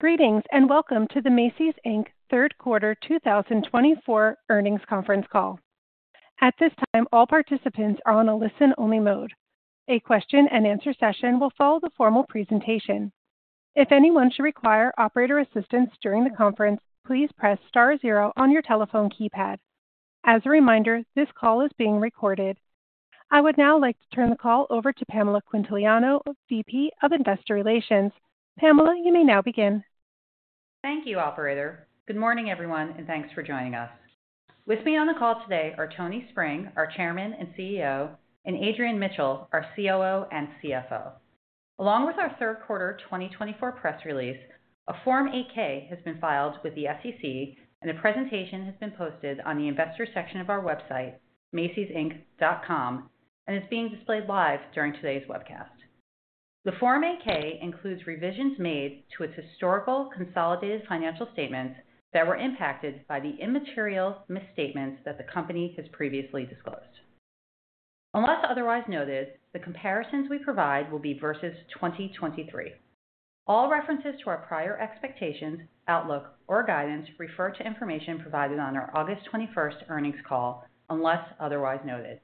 Greetings and welcome to the Macy's Inc. Third Quarter 2024 Earnings Conference Call. At this time, all participants are on a listen-only mode. A question-and-answer session will follow the formal presentation. If anyone should require operator assistance during the conference, please press star zero on your telephone keypad. As a reminder, this call is being recorded. I would now like to turn the call over to Pamela Quintiliano, VP of Investor Relations. Pamela, you may now begin. Thank you, Operator. Good morning, everyone, and thanks for joining us. With me on the call today are Tony Spring, our Chairman and CEO, and Adrian Mitchell, our COO and CFO. Along with our Third Quarter 2024 press release, a Form 8-K has been filed with the SEC, and a presentation has been posted on the investor section of our website, macysinc.com, and is being displayed live during today's webcast. The Form 8-K includes revisions made to its historical consolidated financial statements that were impacted by the immaterial misstatements that the company has previously disclosed. Unless otherwise noted, the comparisons we provide will be versus 2023. All references to our prior expectations, outlook, or guidance refer to information provided on our August 21st earnings call, unless otherwise noted.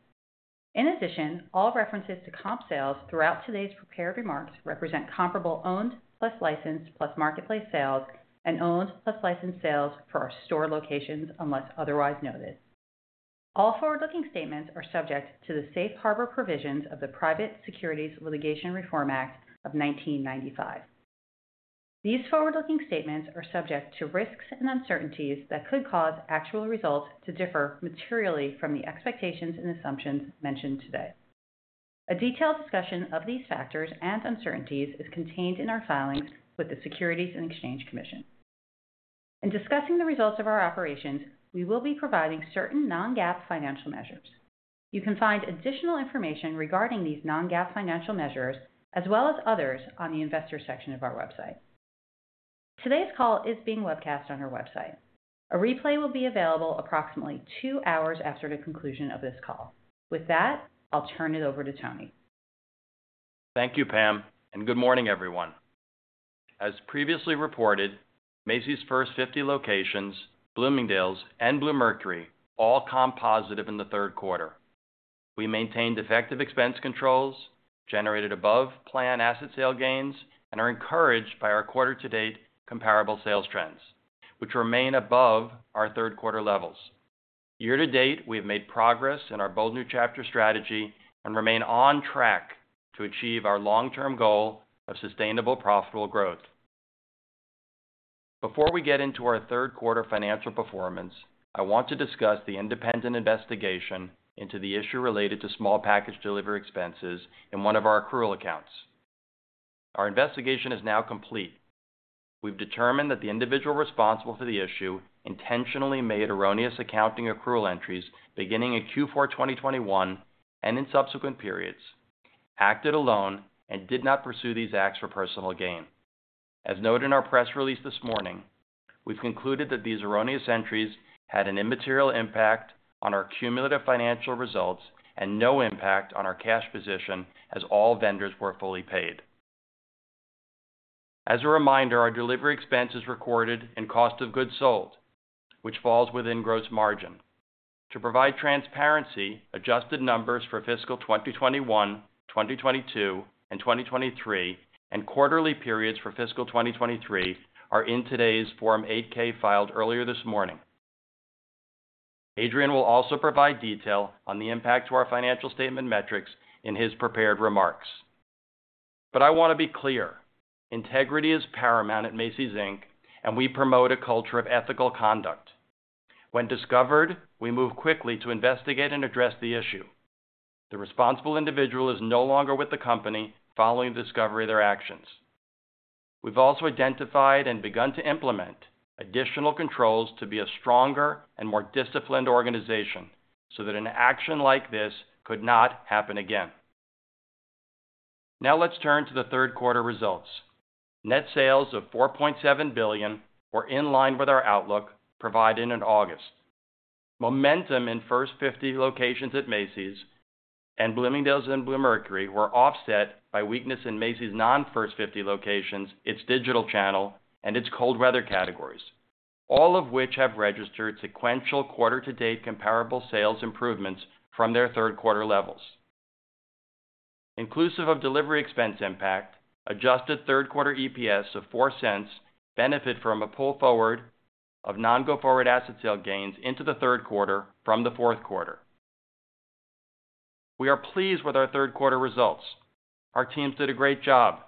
In addition, all references to comp sales throughout today's prepared remarks represent comparable owned plus licensed plus marketplace sales and owned plus licensed sales for our store locations, unless otherwise noted. All forward-looking statements are subject to the safe harbor provisions of the Private Securities Litigation Reform Act of 1995. These forward-looking statements are subject to risks and uncertainties that could cause actual results to differ materially from the expectations and assumptions mentioned today. A detailed discussion of these factors and uncertainties is contained in our filings with the Securities and Exchange Commission. In discussing the results of our operations, we will be providing certain non-GAAP financial measures. You can find additional information regarding these non-GAAP financial measures, as well as others, on the investor section of our website. Today's call is being webcast on our website. A replay will be available approximately two hours after the conclusion of this call. With that, I'll turn it over to Tony. Thank you, Pam, and good morning, everyone. As previously reported, Macy's First 50 locations, Bloomingdale's, and Bluemercury all comp positive in the third quarter. We maintained effective expense controls, generated above planned asset sale gains, and are encouraged by our quarter-to-date comparable sales trends, which remain above our third quarter levels. Year-to-date, we have made progress in our Bold New Chapter strategy and remain on track to achieve our long-term goal of sustainable profitable growth. Before we get into our third quarter financial performance, I want to discuss the independent investigation into the issue related to small package delivery expenses in one of our accrual accounts. Our investigation is now complete. We've determined that the individual responsible for the issue intentionally made erroneous accounting accrual entries beginning in Q4 2021 and in subsequent periods, acted alone, and did not pursue these acts for personal gain. As noted in our press release this morning, we've concluded that these erroneous entries had an immaterial impact on our cumulative financial results and no impact on our cash position as all vendors were fully paid. As a reminder, our delivery expense is recorded in cost of goods sold, which falls within gross margin. To provide transparency, adjusted numbers for fiscal 2021, 2022, and 2023, and quarterly periods for fiscal 2023, are in today's Form 8-K filed earlier this morning. Adrian will also provide detail on the impact to our financial statement metrics in his prepared remarks. But I want to be clear: integrity is paramount at Macy's Inc., and we promote a culture of ethical conduct. When discovered, we move quickly to investigate and address the issue. The responsible individual is no longer with the company following the discovery of their actions. We've also identified and begun to implement additional controls to be a stronger and more disciplined organization so that an action like this could not happen again. Now let's turn to the third quarter results. Net sales of $4.7 billion were in line with our outlook provided in August. Momentum in First 50 locations at Macy's and Bloomingdale's and Bluemercury were offset by weakness in Macy's non-First 50 locations, its digital channel, and its cold weather categories, all of which have registered sequential quarter-to-date comparable sales improvements from their third quarter levels. Inclusive of delivery expense impact, adjusted third quarter EPS of $0.04 benefit from a pull forward of non-go-forward asset sale gains into the third quarter from the fourth quarter. We are pleased with our third quarter results. Our teams did a great job.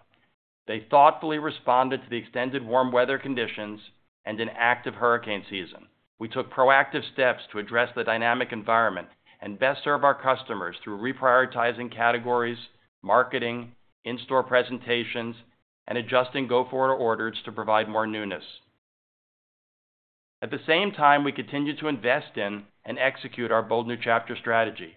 They thoughtfully responded to the extended warm weather conditions and an active hurricane season. We took proactive steps to address the dynamic environment and best serve our customers through reprioritizing categories, marketing, in-store presentations, and adjusting go-forward orders to provide more newness. At the same time, we continue to invest in and execute our Bold New Chapter strategy.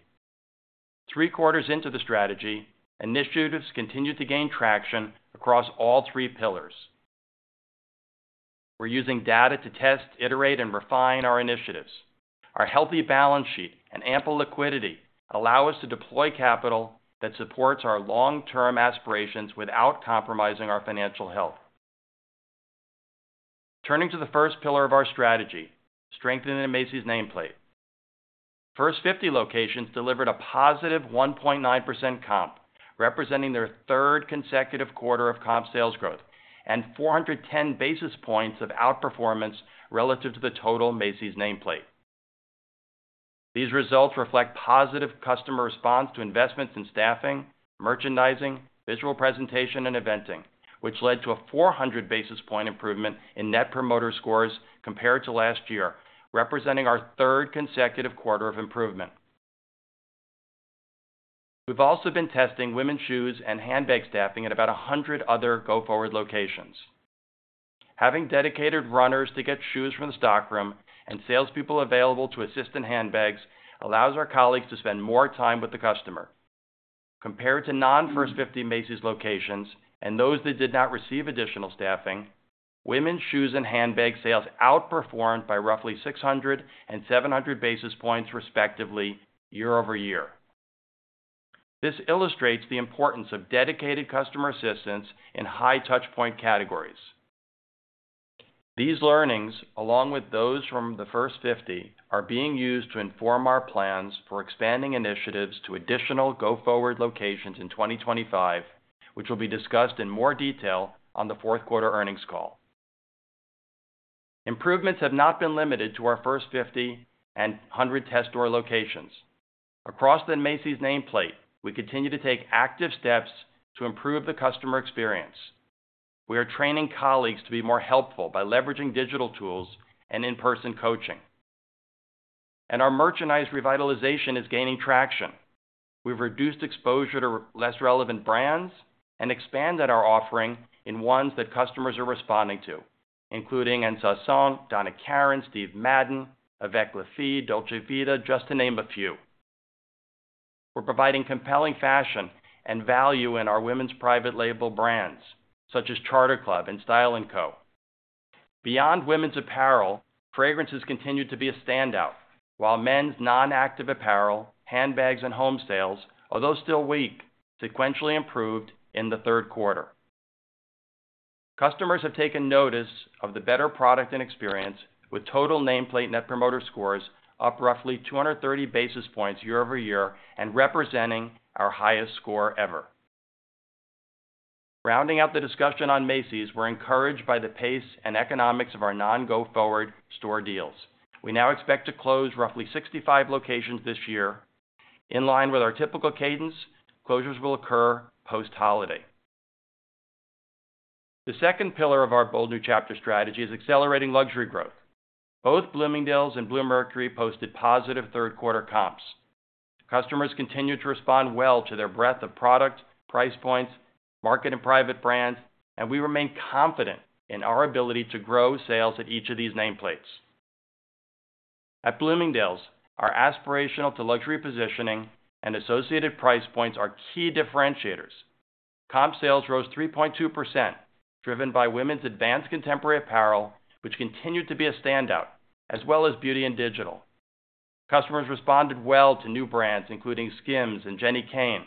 Three quarters into the strategy, initiatives continue to gain traction across all three pillars. We're using data to test, iterate, and refine our initiatives. Our healthy balance sheet and ample liquidity allow us to deploy capital that supports our long-term aspirations without compromising our financial health. Turning to the first pillar of our strategy, strengthening Macy's nameplate. First 50 locations delivered a positive 1.9% comp, representing their third consecutive quarter of comp sales growth, and 410 basis points of outperformance relative to the total Macy's nameplate. These results reflect positive customer response to investments in staffing, merchandising, visual presentation, and eventing, which led to a 400 basis point improvement in Net Promoter Scores compared to last year, representing our third consecutive quarter of improvement. We've also been testing women's shoes and handbag staffing at about 100 other go-forward locations. Having dedicated runners to get shoes from the stockroom and salespeople available to assist in handbags allows our colleagues to spend more time with the customer. Compared to non-First 50 Macy's locations and those that did not receive additional staffing, women's shoes and handbag sales outperformed by roughly 600 and 700 basis points respectively year over year. This illustrates the importance of dedicated customer assistance in high-touchpoint categories. These learnings, along with those from the First 50, are being used to inform our plans for expanding initiatives to additional go-forward locations in 2025, which will be discussed in more detail on the fourth quarter earnings call. Improvements have not been limited to our First 50 and 100 test store locations. Across the Macy's nameplate, we continue to take active steps to improve the customer experience. We are training colleagues to be more helpful by leveraging digital tools and in-person coaching. And our merchandise revitalization is gaining traction. We've reduced exposure to less relevant brands and expanded our offering in ones that customers are responding to, including En Saison, Donna Karan, Steve Madden, Avec Les Filles, Dolce Vita, just to name a few. We're providing compelling fashion and value in our women's private label brands, such as Charter Club and Style & Co. Beyond women's apparel, fragrances continue to be a standout, while men's non-active apparel, handbags, and home sales, although still weak, sequentially improved in the third quarter. Customers have taken notice of the better product and experience, with total nameplate Net Promoter Scores up roughly 230 basis points year over year and representing our highest score ever. Rounding out the discussion on Macy's, we're encouraged by the pace and economics of our non-go-forward store deals. We now expect to close roughly 65 locations this year. In line with our typical cadence, closures will occur post-holiday. The second pillar of our Bold New Chapter strategy is accelerating luxury growth. Both Bloomingdale's and Bluemercury posted positive third quarter comps. Customers continue to respond well to their breadth of product, price points, market, and private brands, and we remain confident in our ability to grow sales at each of these nameplates. At Bloomingdale's, our aspirational to luxury positioning and associated price points are key differentiators. Comp sales rose 3.2%, driven by women's advanced contemporary apparel, which continued to be a standout, as well as beauty and digital. Customers responded well to new brands, including Skims and Jenni Kayne,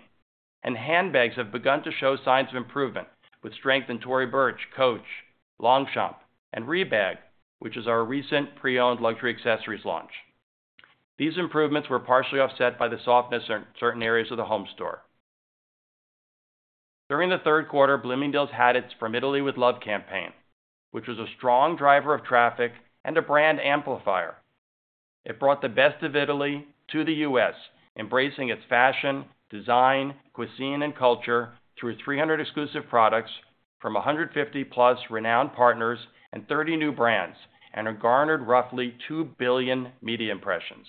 and handbags have begun to show signs of improvement with strength in Tory Burch, Coach, Longchamp, and Rebag, which is our recent pre-owned luxury accessories launch. These improvements were partially offset by the softness in certain areas of the home store. During the third quarter, Bloomingdale's had its "From Italy with Love" campaign, which was a strong driver of traffic and a brand amplifier. It brought the best of Italy to the U.S., embracing its fashion, design, cuisine, and culture through 300 exclusive products from 150+ renowned partners and 30 new brands, and garnered roughly 2 billion media impressions.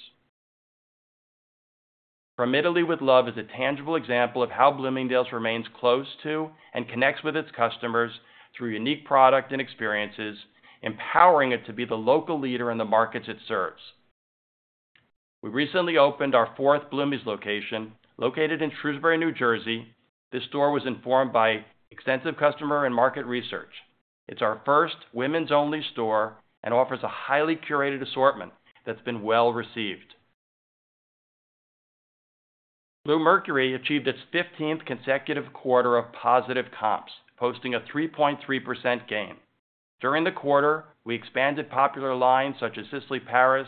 From Italy with Love is a tangible example of how Bloomingdale's remains close to and connects with its customers through unique product and experiences, empowering it to be the local leader in the markets it serves. We recently opened our fourth Bloomies location, located in Shrewsbury, New Jersey. This store was informed by extensive customer and market research. It's our first women's-only store and offers a highly curated assortment that's been well received. Bluemercury achieved its 15th consecutive quarter of positive comps, posting a 3.3% gain. During the quarter, we expanded popular lines such as Sisley Paris,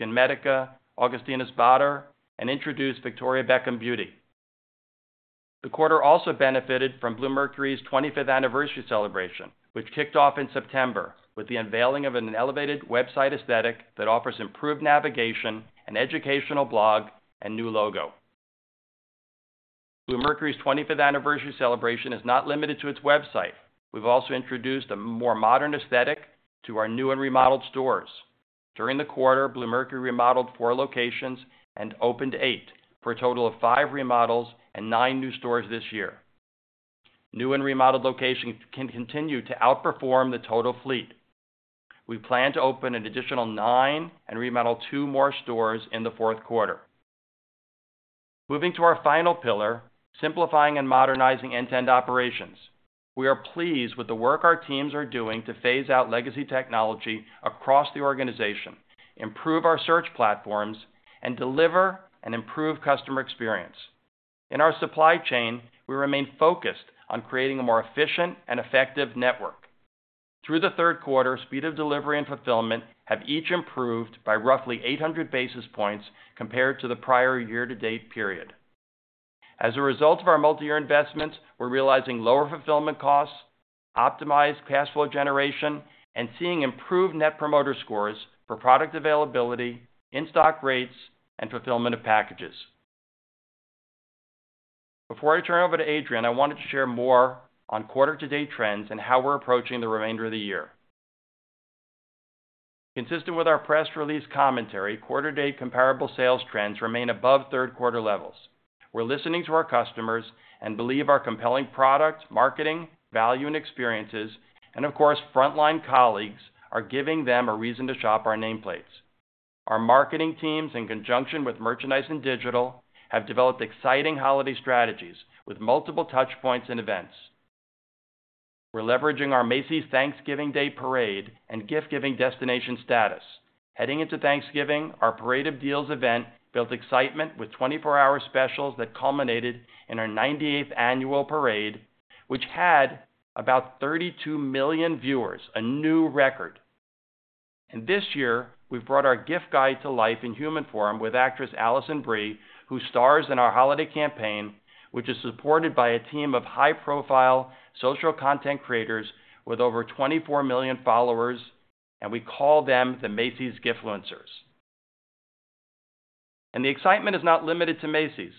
SkinMedica, Augustinus Bader, and introduced Victoria Beckham Beauty. The quarter also benefited from Bluemercury's 25th anniversary celebration, which kicked off in September with the unveiling of an elevated website aesthetic that offers improved navigation, an educational blog, and a new logo. Bluemercury's 25th anniversary celebration is not limited to its website. We've also introduced a more modern aesthetic to our new and remodeled stores. During the quarter, Bluemercury remodeled four locations and opened eight, for a total of five remodels and nine new stores this year. New and remodeled locations can continue to outperform the total fleet. We plan to open an additional nine and remodel two more stores in the fourth quarter. Moving to our final pillar, simplifying and modernizing end-to-end operations. We are pleased with the work our teams are doing to phase out legacy technology across the organization, improve our search platforms, and deliver and improve customer experience. In our supply chain, we remain focused on creating a more efficient and effective network. Through the third quarter, speed of delivery and fulfillment have each improved by roughly 800 basis points compared to the prior year-to-date period. As a result of our multi-year investments, we're realizing lower fulfillment costs, optimized cash flow generation, and seeing improved Net Promoter Scores for product availability, in-stock rates, and fulfillment of packages. Before I turn it over to Adrian, I wanted to share more on quarter-to-date trends and how we're approaching the remainder of the year. Consistent with our press release commentary, quarter-to-date comparable sales trends remain above third quarter levels. We're listening to our customers and believe our compelling product, marketing, value, and experiences, and of course, frontline colleagues are giving them a reason to shop our nameplates. Our marketing teams, in conjunction with merchandise and digital, have developed exciting holiday strategies with multiple touchpoints and events. We're leveraging our Macy's Thanksgiving Day Parade and gift-giving destination status. Heading into Thanksgiving, our Parade of Deals event built excitement with 24-hour specials that culminated in our 98th annual parade, which had about 32 million viewers, a new record. This year, we've brought our gift guide to life in human form with actress Alison Brie, who stars in our holiday campaign, which is supported by a team of high-profile social content creators with over 24 million followers, and we call them the Macy's Gift-fluencers. The excitement is not limited to Macy's.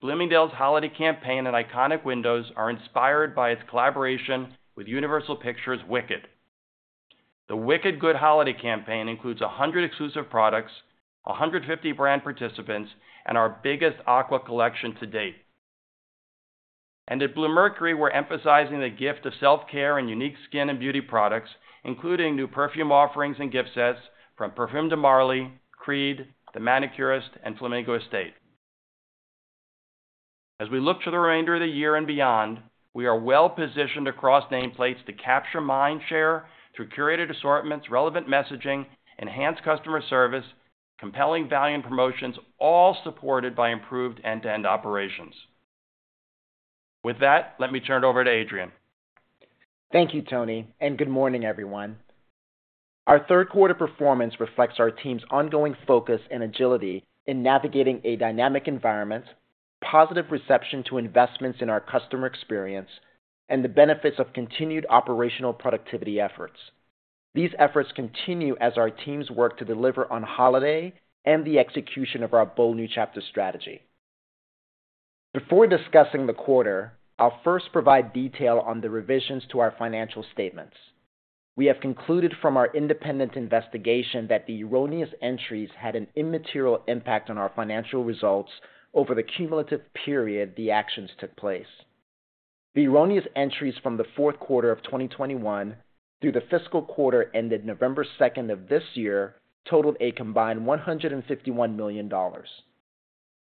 Bloomingdale's holiday campaign and iconic windows are inspired by its collaboration with Universal Pictures' Wicked. The Wicked Good Holiday campaign includes 100 exclusive products, 150 brand participants, and our biggest Aqua collection to date. At Bluemercury, we're emphasizing the gift of self-care and unique skin and beauty products, including new perfume offerings and gift sets from Parfums de Marly, Creed, Manucurist, and Flamingo Estate. As we look to the remainder of the year and beyond, we are well positioned across nameplates to capture mind share through curated assortments, relevant messaging, enhanced customer service, compelling value and promotions, all supported by improved end-to-end operations. With that, let me turn it over to Adrian. Thank you, Tony, and good morning, everyone. Our third quarter performance reflects our team's ongoing focus and agility in navigating a dynamic environment, our positive reception to investments in our customer experience, and the benefits of continued operational productivity efforts. These efforts continue as our teams work to deliver on holiday and the execution of our Bold New Chapter strategy. Before discussing the quarter, I'll first provide detail on the revisions to our financial statements. We have concluded from our independent investigation that the erroneous entries had an immaterial impact on our financial results over the cumulative period the actions took place. The erroneous entries from the fourth quarter of 2021 through the fiscal quarter ended November 2nd of this year totaled a combined $151 million.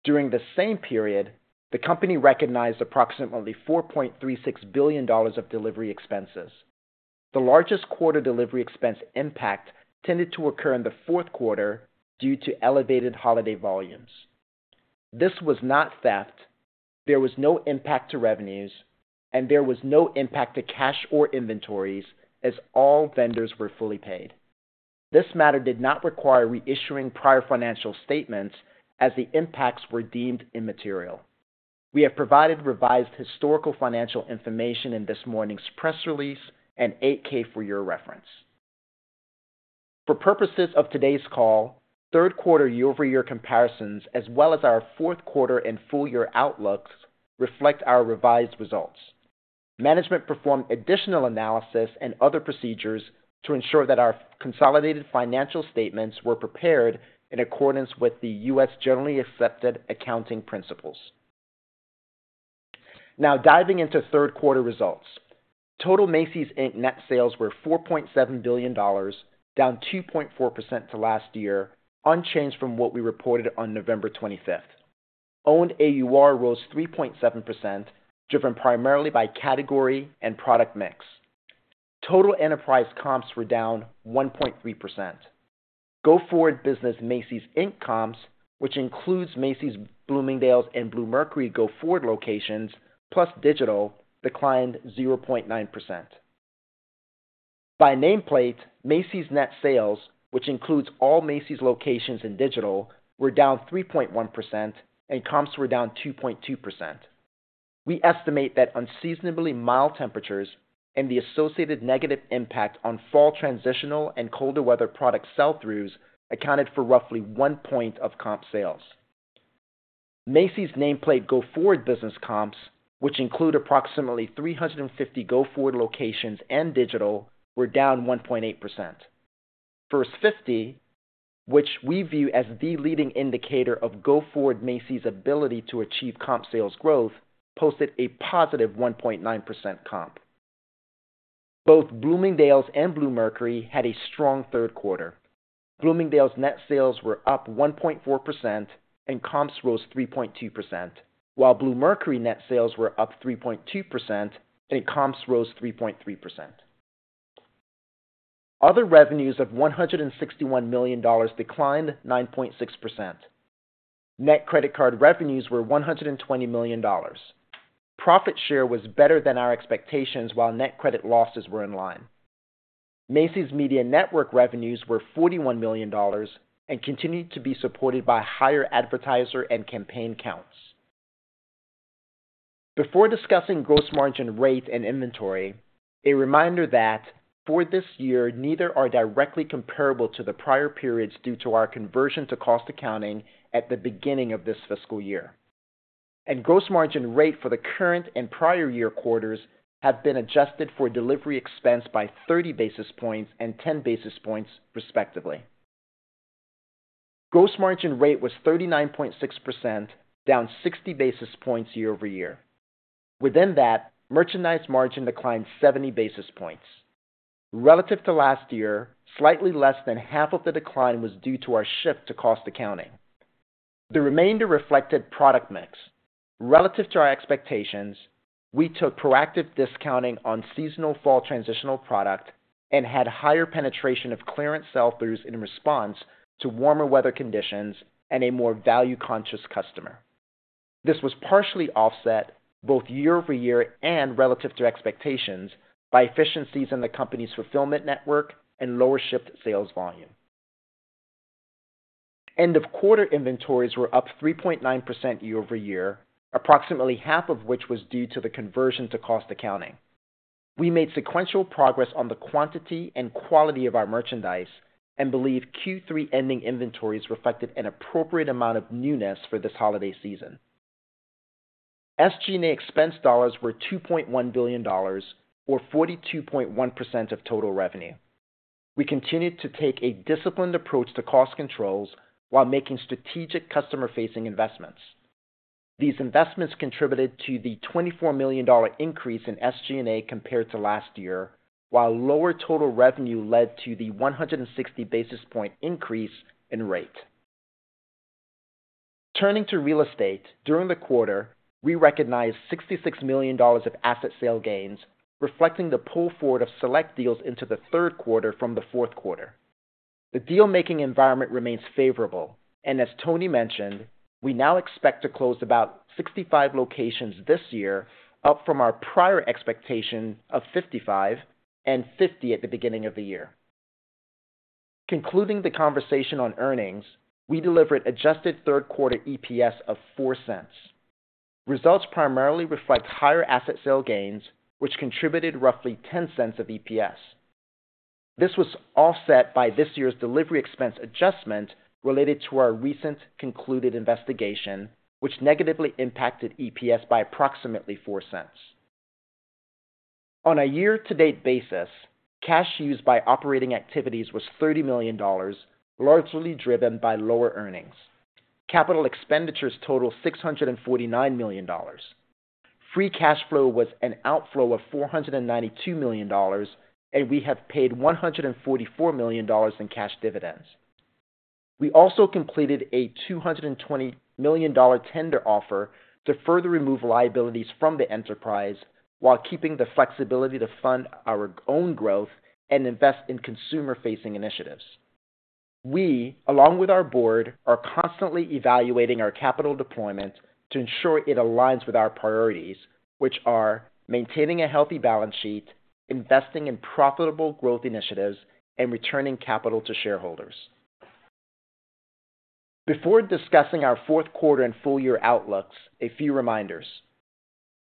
During the same period, the company recognized approximately $4.36 billion of delivery expenses. The largest quarter delivery expense impact tended to occur in the fourth quarter due to elevated holiday volumes. This was not theft. There was no impact to revenues, and there was no impact to cash or inventories as all vendors were fully paid. This matter did not require reissuing prior financial statements as the impacts were deemed immaterial. We have provided revised historical financial information in this morning's press release and 8-K for your reference. For purposes of today's call, third quarter year-over-year comparisons, as well as our fourth quarter and full-year outlooks, reflect our revised results. Management performed additional analysis and other procedures to ensure that our consolidated financial statements were prepared in accordance with the U.S. generally accepted accounting principles. Now diving into third quarter results, total Macy's Inc. net sales were $4.7 billion, down 2.4% to last year, unchanged from what we reported on November 25th. Owned AUR rose 3.7%, driven primarily by category and product mix. Total enterprise comps were down 1.3%. go-forward business Macy's Inc. comps, which includes Macy's, Bloomingdale's, and Bluemercury go-forward locations, plus digital, declined 0.9%. By nameplate, Macy's net sales, which includes all Macy's locations and digital, were down 3.1%, and comps were down 2.2%. We estimate that unseasonably mild temperatures and the associated negative impact on fall transitional and colder weather product sell-throughs accounted for roughly one point of comp sales. Macy's nameplate go-forward business comps, which include approximately 350 go-forward locations and digital, were down 1.8%. First 50, which we view as the leading indicator of go-forward Macy's ability to achieve comp sales growth, posted a positive 1.9% comp. Both Bloomingdale's and Bluemercury had a strong third quarter. Bloomingdale's net sales were up 1.4%, and comps rose 3.2%, while Bluemercury net sales were up 3.2%, and comps rose 3.3%. Other revenues of $161 million declined 9.6%. Net credit card revenues were $120 million. Profit share was better than our expectations, while net credit losses were in line. Macy's Media Network revenues were $41 million and continued to be supported by higher advertiser and campaign counts. Before discussing gross margin rate and inventory, a reminder that for this year, neither are directly comparable to the prior periods due to our conversion to cost accounting at the beginning of this fiscal year, and gross margin rate for the current and prior year quarters have been adjusted for delivery expense by 30 basis points and 10 basis points, respectively. Gross margin rate was 39.6%, down 60 basis points year over year. Within that, merchandise margin declined 70 basis points. Relative to last year, slightly less than half of the decline was due to our shift to cost accounting. The remainder reflected product mix. Relative to our expectations, we took proactive discounting on seasonal fall transitional product and had higher penetration of clearance sell-throughs in response to warmer weather conditions and a more value-conscious customer. This was partially offset both year over year and relative to expectations by efficiencies in the company's fulfillment network and lower shipped sales volume. End-of-quarter inventories were up 3.9% year over year, approximately half of which was due to the conversion to cost accounting. We made sequential progress on the quantity and quality of our merchandise and believe Q3 ending inventories reflected an appropriate amount of newness for this holiday season. SG&A expense dollars were $2.1 billion, or 42.1% of total revenue. We continued to take a disciplined approach to cost controls while making strategic customer-facing investments. These investments contributed to the $24 million increase in SG&A compared to last year, while lower total revenue led to the 160 basis points increase in rate. Turning to real estate, during the quarter, we recognized $66 million of asset sale gains, reflecting the pull forward of select deals into the third quarter from the fourth quarter. The deal-making environment remains favorable, and as Tony mentioned, we now expect to close about 65 locations this year, up from our prior expectation of 55 and 50 at the beginning of the year. Concluding the conversation on earnings, we delivered adjusted third quarter EPS of $0.04. Results primarily reflect higher asset sale gains, which contributed roughly $0.10 of EPS. This was offset by this year's delivery expense adjustment related to our recently concluded investigation, which negatively impacted EPS by approximately $0.04. On a year-to-date basis, cash used by operating activities was $30 million, largely driven by lower earnings. Capital expenditures totaled $649 million. Free cash flow was an outflow of $492 million, and we have paid $144 million in cash dividends. We also completed a $220 million tender offer to further remove liabilities from the enterprise while keeping the flexibility to fund our own growth and invest in consumer-facing initiatives. We, along with our Board, are constantly evaluating our capital deployment to ensure it aligns with our priorities, which are maintaining a healthy balance sheet, investing in profitable growth initiatives, and returning capital to shareholders. Before discussing our fourth quarter and full-year outlooks, a few reminders.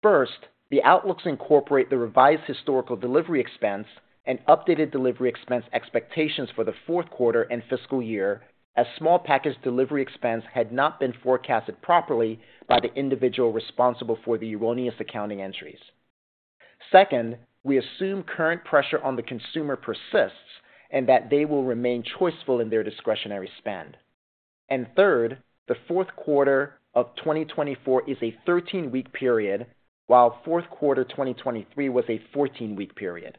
First, the outlooks incorporate the revised historical delivery expense and updated delivery expense expectations for the fourth quarter and fiscal year as small package delivery expense had not been forecasted properly by the individual responsible for the erroneous accounting entries. Second, we assume current pressure on the consumer persists and that they will remain choiceful in their discretionary spend. And third, the fourth quarter of 2024 is a 13-week period, while fourth quarter 2023 was a 14-week period.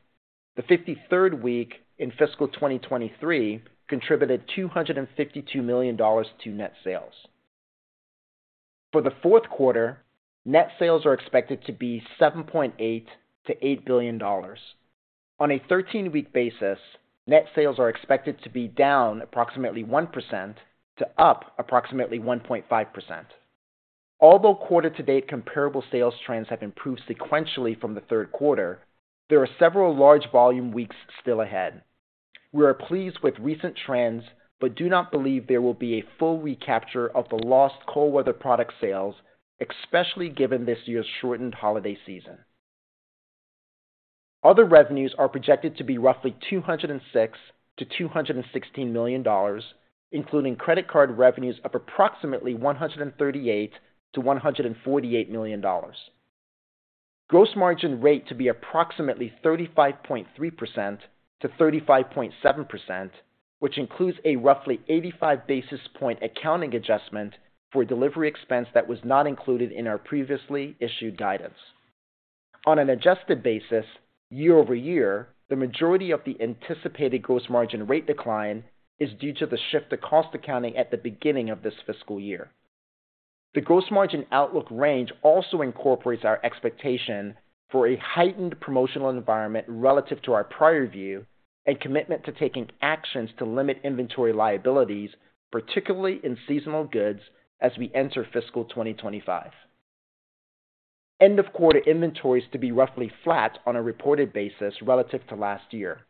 The 53rd week in fiscal 2023 contributed $252 million to net sales. For the fourth quarter, net sales are expected to be $7.8 billion-$8 billion. On a 13-week basis, net sales are expected to be down approximately 1% to up approximately 1.5%. Although quarter-to-date comparable sales trends have improved sequentially from the third quarter, there are several large volume weeks still ahead. We are pleased with recent trends but do not believe there will be a full recapture of the lost cold weather product sales, especially given this year's shortened holiday season. Other revenues are projected to be roughly $206 million-$216 million, including credit card revenues of approximately $138 million-$148 million. Gross margin rate to be approximately 35.3%-35.7%, which includes a roughly 85 basis point accounting adjustment for delivery expense that was not included in our previously issued guidance. On an adjusted basis, year over year, the majority of the anticipated gross margin rate decline is due to the shift to cost accounting at the beginning of this fiscal year. The gross margin outlook range also incorporates our expectation for a heightened promotional environment relative to our prior view and commitment to taking actions to limit inventory liabilities, particularly in seasonal goods as we enter fiscal 2025. End-of-quarter inventories to be roughly flat on a reported basis relative to last year.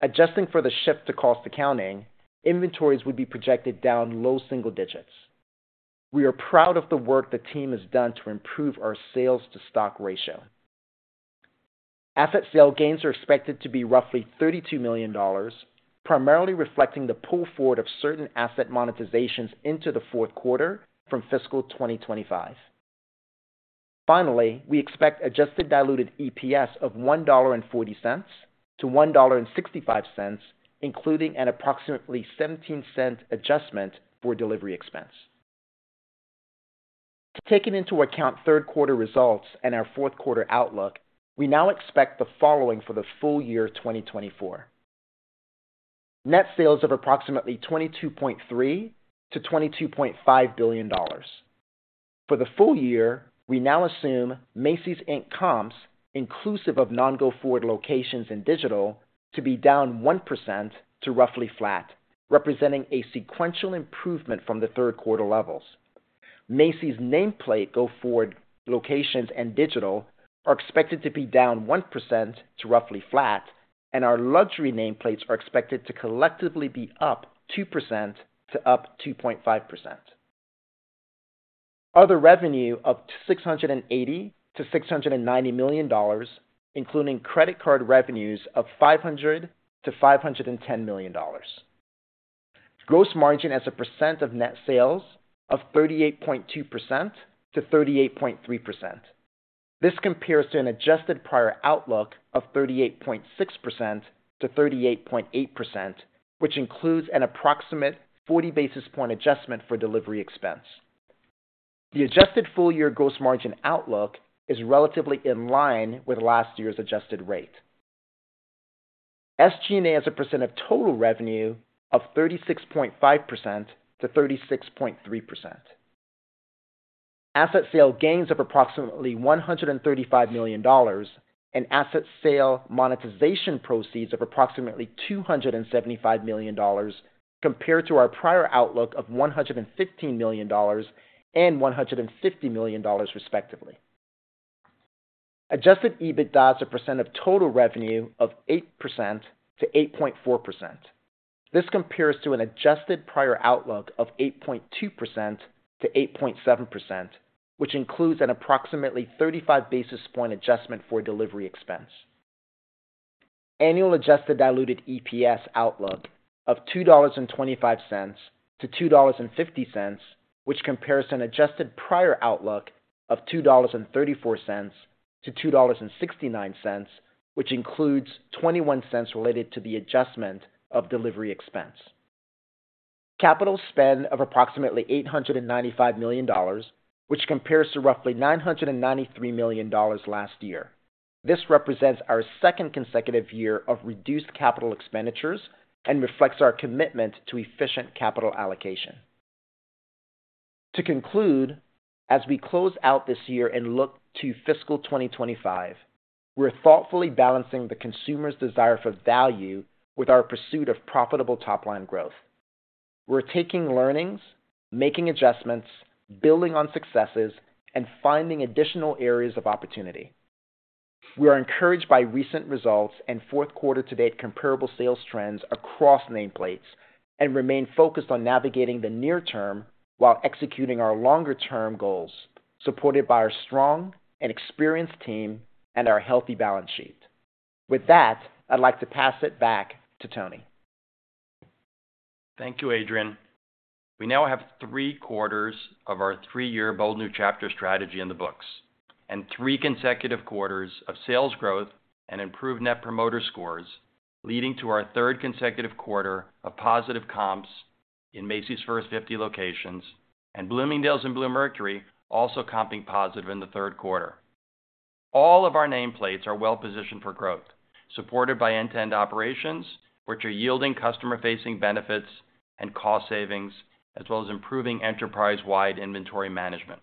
Adjusting for the shift to cost accounting, inventories would be projected down low single digits. We are proud of the work the team has done to improve our sales-to-stock ratio. Asset sale gains are expected to be roughly $32 million, primarily reflecting the pull forward of certain asset monetizations into the fourth quarter from fiscal 2025. Finally, we expect adjusted diluted EPS of $1.40-$1.65, including an approximately $0.17 adjustment for delivery expense. Taking into account third quarter results and our fourth quarter outlook, we now expect the following for the full year 2024: net sales of approximately $22.3 billion-$22.5 billion. For the full year, we now assume Macy's Inc. comps, inclusive of non-go-forward locations and digital, to be down 1% to roughly flat, representing a sequential improvement from the third quarter levels. Macy's nameplate go-forward locations and digital are expected to be down 1% to roughly flat, and our luxury nameplates are expected to collectively be up 2% to up 2.5%. Other revenue of $680 million-$690 million, including credit card revenues of $500 million-$510 million. Gross margin as a percent of net sales of 38.2%-38.3%. This compares to an adjusted prior outlook of 38.6%-38.8%, which includes an approximate 40 basis point adjustment for delivery expense. The adjusted full-year gross margin outlook is relatively in line with last year's adjusted rate. SG&A as a percent of total revenue of 36.5%-36.3%. Asset sale gains of approximately $135 million and asset sale monetization proceeds of approximately $275 million compare to our prior outlook of $115 million and $150 million, respectively. Adjusted EBITDA as a percent of total revenue of 8%-8.4%. This compares to an adjusted prior outlook of 8.2%-8.7%, which includes an approximately 35 basis points adjustment for delivery expense. Annual adjusted diluted EPS outlook of $2.25-$2.50, which compares to an adjusted prior outlook of $2.34-$2.69, which includes $0.21 related to the adjustment of delivery expense. Capital spend of approximately $895 million, which compares to roughly $993 million last year. This represents our second consecutive year of reduced capital expenditures and reflects our commitment to efficient capital allocation. To conclude, as we close out this year and look to fiscal 2025, we're thoughtfully balancing the consumer's desire for value with our pursuit of profitable top-line growth. We're taking learnings, making adjustments, building on successes, and finding additional areas of opportunity. We are encouraged by recent results and fourth quarter-to-date comparable sales trends across nameplates and remain focused on navigating the near term while executing our longer-term goals supported by our strong and experienced team and our healthy balance sheet. With that, I'd like to pass it back to Tony. Thank you, Adrian. We now have three quarters of our three-year Bold New Chapter strategy in the books and three consecutive quarters of sales growth and improved Net Promoter Scores, leading to our third consecutive quarter of positive comps in Macy's First 50 locations and Bloomingdale's and Bluemercury also comping positive in the third quarter. All of our nameplates are well-positioned for growth, supported by end-to-end operations, which are yielding customer-facing benefits and cost savings, as well as improving enterprise-wide inventory management.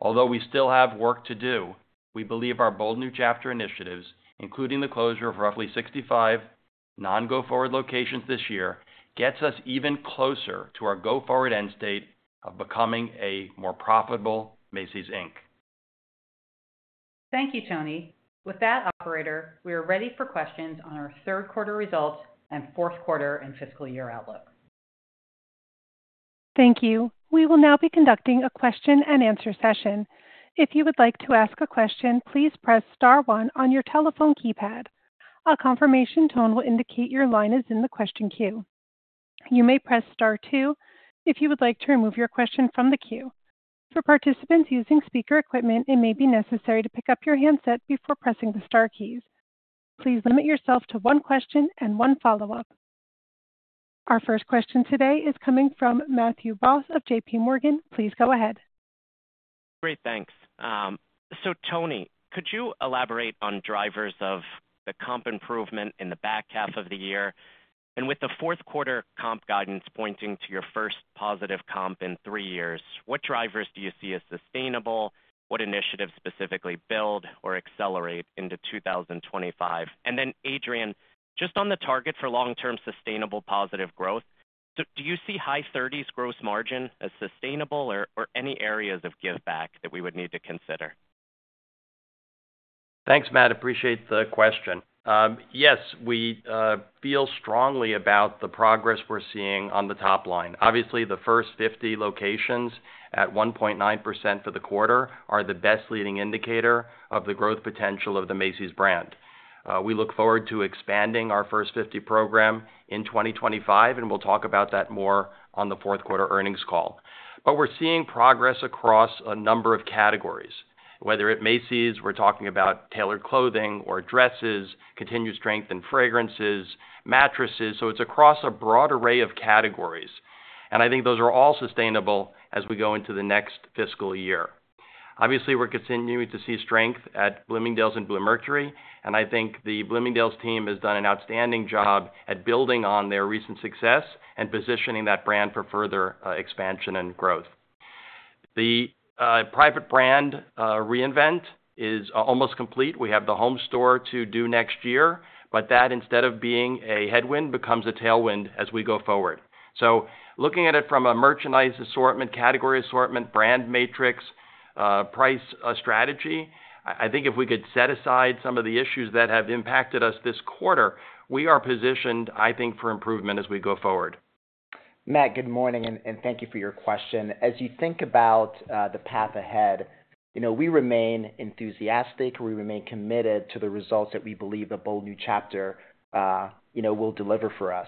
Although we still have work to do, we believe our Bold New Chapter initiatives, including the closure of roughly 65 non-go-forward locations this year, get us even closer to our go-forward end state of becoming a more profitable Macy's Inc. Thank you, Tony. With that, Operator, we are ready for questions on our third quarter results and fourth quarter and fiscal year outlook. Thank you. We will now be conducting a question-and-answer session. If you would like to ask a question, please press star one on your telephone keypad. A confirmation tone will indicate your line is in the question queue. You may press star two if you would like to remove your question from the queue. For participants using speaker equipment, it may be necessary to pick up your handset before pressing the star keys. Please limit yourself to one question and one follow-up. Our first question today is coming from Matthew Boss of JPMorgan. Please go ahead. Great, thanks. So, Tony, could you elaborate on drivers of the comp improvement in the back half of the year? And with the fourth quarter comp guidance pointing to your first positive comp in three years, what drivers do you see as sustainable? What initiatives specifically build or accelerate into 2025? And then, Adrian, just on the target for long-term sustainable positive growth, do you see high 30s gross margin as sustainable or any areas of give back that we would need to consider? Thanks, Matt. Appreciate the question. Yes, we feel strongly about the progress we're seeing on the top line. Obviously, the First 50 locations at 1.9% for the quarter are the best leading indicator of the growth potential of the Macy's brand. We look forward to expanding our First 50 program in 2025, and we'll talk about that more on the fourth quarter earnings call. But we're seeing progress across a number of categories, whether it's Macy's, we're talking about tailored clothing or dresses, continued strength in fragrances, mattresses. So it's across a broad array of categories. And I think those are all sustainable as we go into the next fiscal year. Obviously, we're continuing to see strength at Bloomingdale's and Bluemercury. And I think the Bloomingdale's team has done an outstanding job at building on their recent success and positioning that brand for further expansion and growth. The private brand reinvent is almost complete. We have the home store to do next year, but that, instead of being a headwind, becomes a tailwind as we go forward. So looking at it from a merchandise assortment, category assortment, brand matrix, price strategy, I think if we could set aside some of the issues that have impacted us this quarter, we are positioned, I think, for improvement as we go forward. Matt, good morning, and thank you for your question. As you think about the path ahead, we remain enthusiastic. We remain committed to the results that we believe the Bold New Chapter will deliver for us.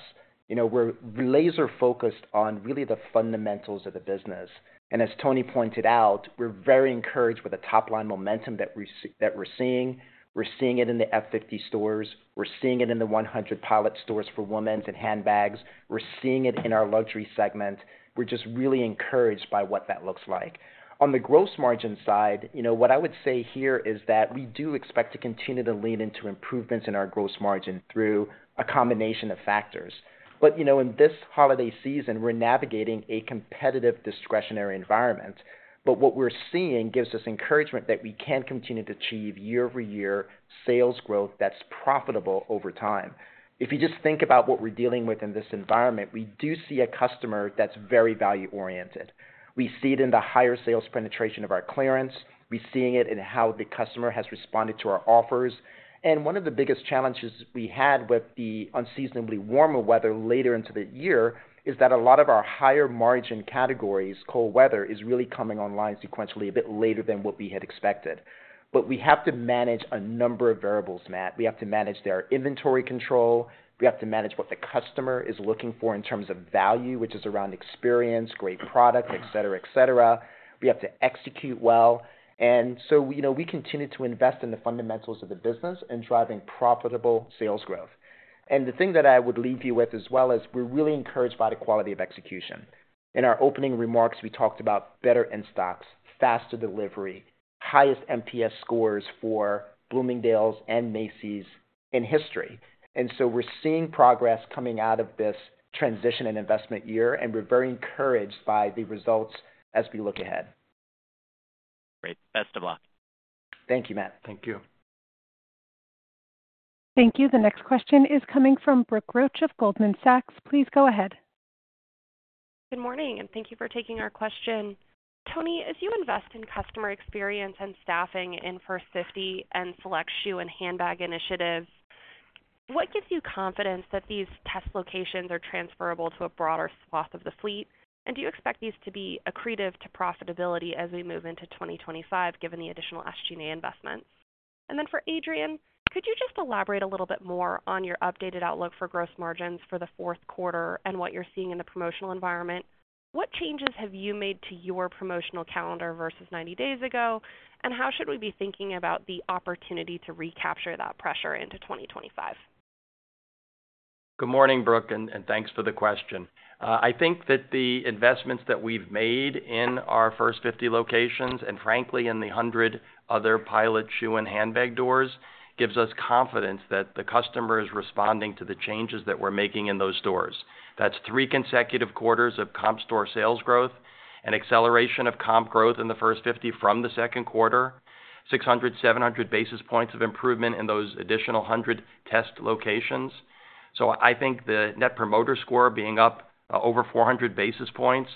We're laser-focused on really the fundamentals of the business. And as Tony pointed out, we're very encouraged with the top-line momentum that we're seeing. We're seeing it in the F50 stores. We're seeing it in the 100 Pilot stores for women's and handbags. We're seeing it in our luxury segment. We're just really encouraged by what that looks like. On the gross margin side, what I would say here is that we do expect to continue to lean into improvements in our gross margin through a combination of factors. But in this holiday season, we're navigating a competitive discretionary environment. But what we're seeing gives us encouragement that we can continue to achieve year-over-year sales growth that's profitable over time. If you just think about what we're dealing with in this environment, we do see a customer that's very value-oriented. We see it in the higher sales penetration of our clearance. We're seeing it in how the customer has responded to our offers. And one of the biggest challenges we had with the unseasonably warmer weather later into the year is that a lot of our higher margin categories, cold weather, is really coming online sequentially a bit later than what we had expected. But we have to manage a number of variables, Matt. We have to manage their inventory control. We have to manage what the customer is looking for in terms of value, which is around experience, great product, etc., etc. We have to execute well. And so we continue to invest in the fundamentals of the business and driving profitable sales growth. And the thing that I would leave you with as well is we're really encouraged by the quality of execution. In our opening remarks, we talked about better in-stocks, faster delivery, highest NPS scores for Bloomingdale's and Macy's in history. And so we're seeing progress coming out of this transition and investment year, and we're very encouraged by the results as we look ahead. Great. Best of luck. Thank you, Matt. Thank you. Thank you. The next question is coming from Brooke Roach of Goldman Sachs. Please go ahead. Good morning, and thank you for taking our question. Tony, as you invest in customer experience and staffing in First 50 and Select Shoe and Handbag Initiative, what gives you confidence that these test locations are transferable to a broader swath of the fleet? And do you expect these to be accretive to profitability as we move into 2025, given the additional SG&A investments? And then for Adrian, could you just elaborate a little bit more on your updated outlook for gross margins for the fourth quarter and what you're seeing in the promotional environment? What changes have you made to your promotional calendar versus 90 days ago? And how should we be thinking about the opportunity to recapture that pressure into 2025? Good morning, Brooke, and thanks for the question. I think that the investments that we've made in our First 50 locations and, frankly, in the 100 other Pilot shoe and handbag doors gives us confidence that the customer is responding to the changes that we're making in those stores. That's three consecutive quarters of comp store sales growth and acceleration of comp growth in the First 50 from the second quarter, 600, 700 basis points of improvement in those additional 100 test locations. So I think the Net Promoter Score being up over 400 basis points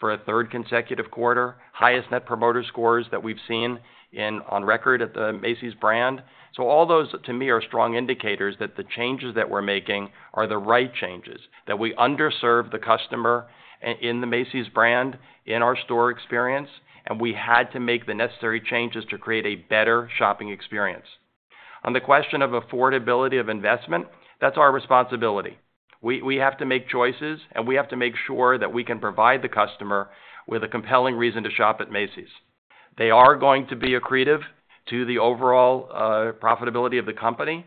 for a third consecutive quarter, highest Net Promoter Scores that we've seen on record at the Macy's brand. So all those, to me, are strong indicators that the changes that we're making are the right changes, that we underserve the customer in the Macy's brand, in our store experience, and we had to make the necessary changes to create a better shopping experience. On the question of affordability of investment, that's our responsibility. We have to make choices, and we have to make sure that we can provide the customer with a compelling reason to shop at Macy's. They are going to be accretive to the overall profitability of the company,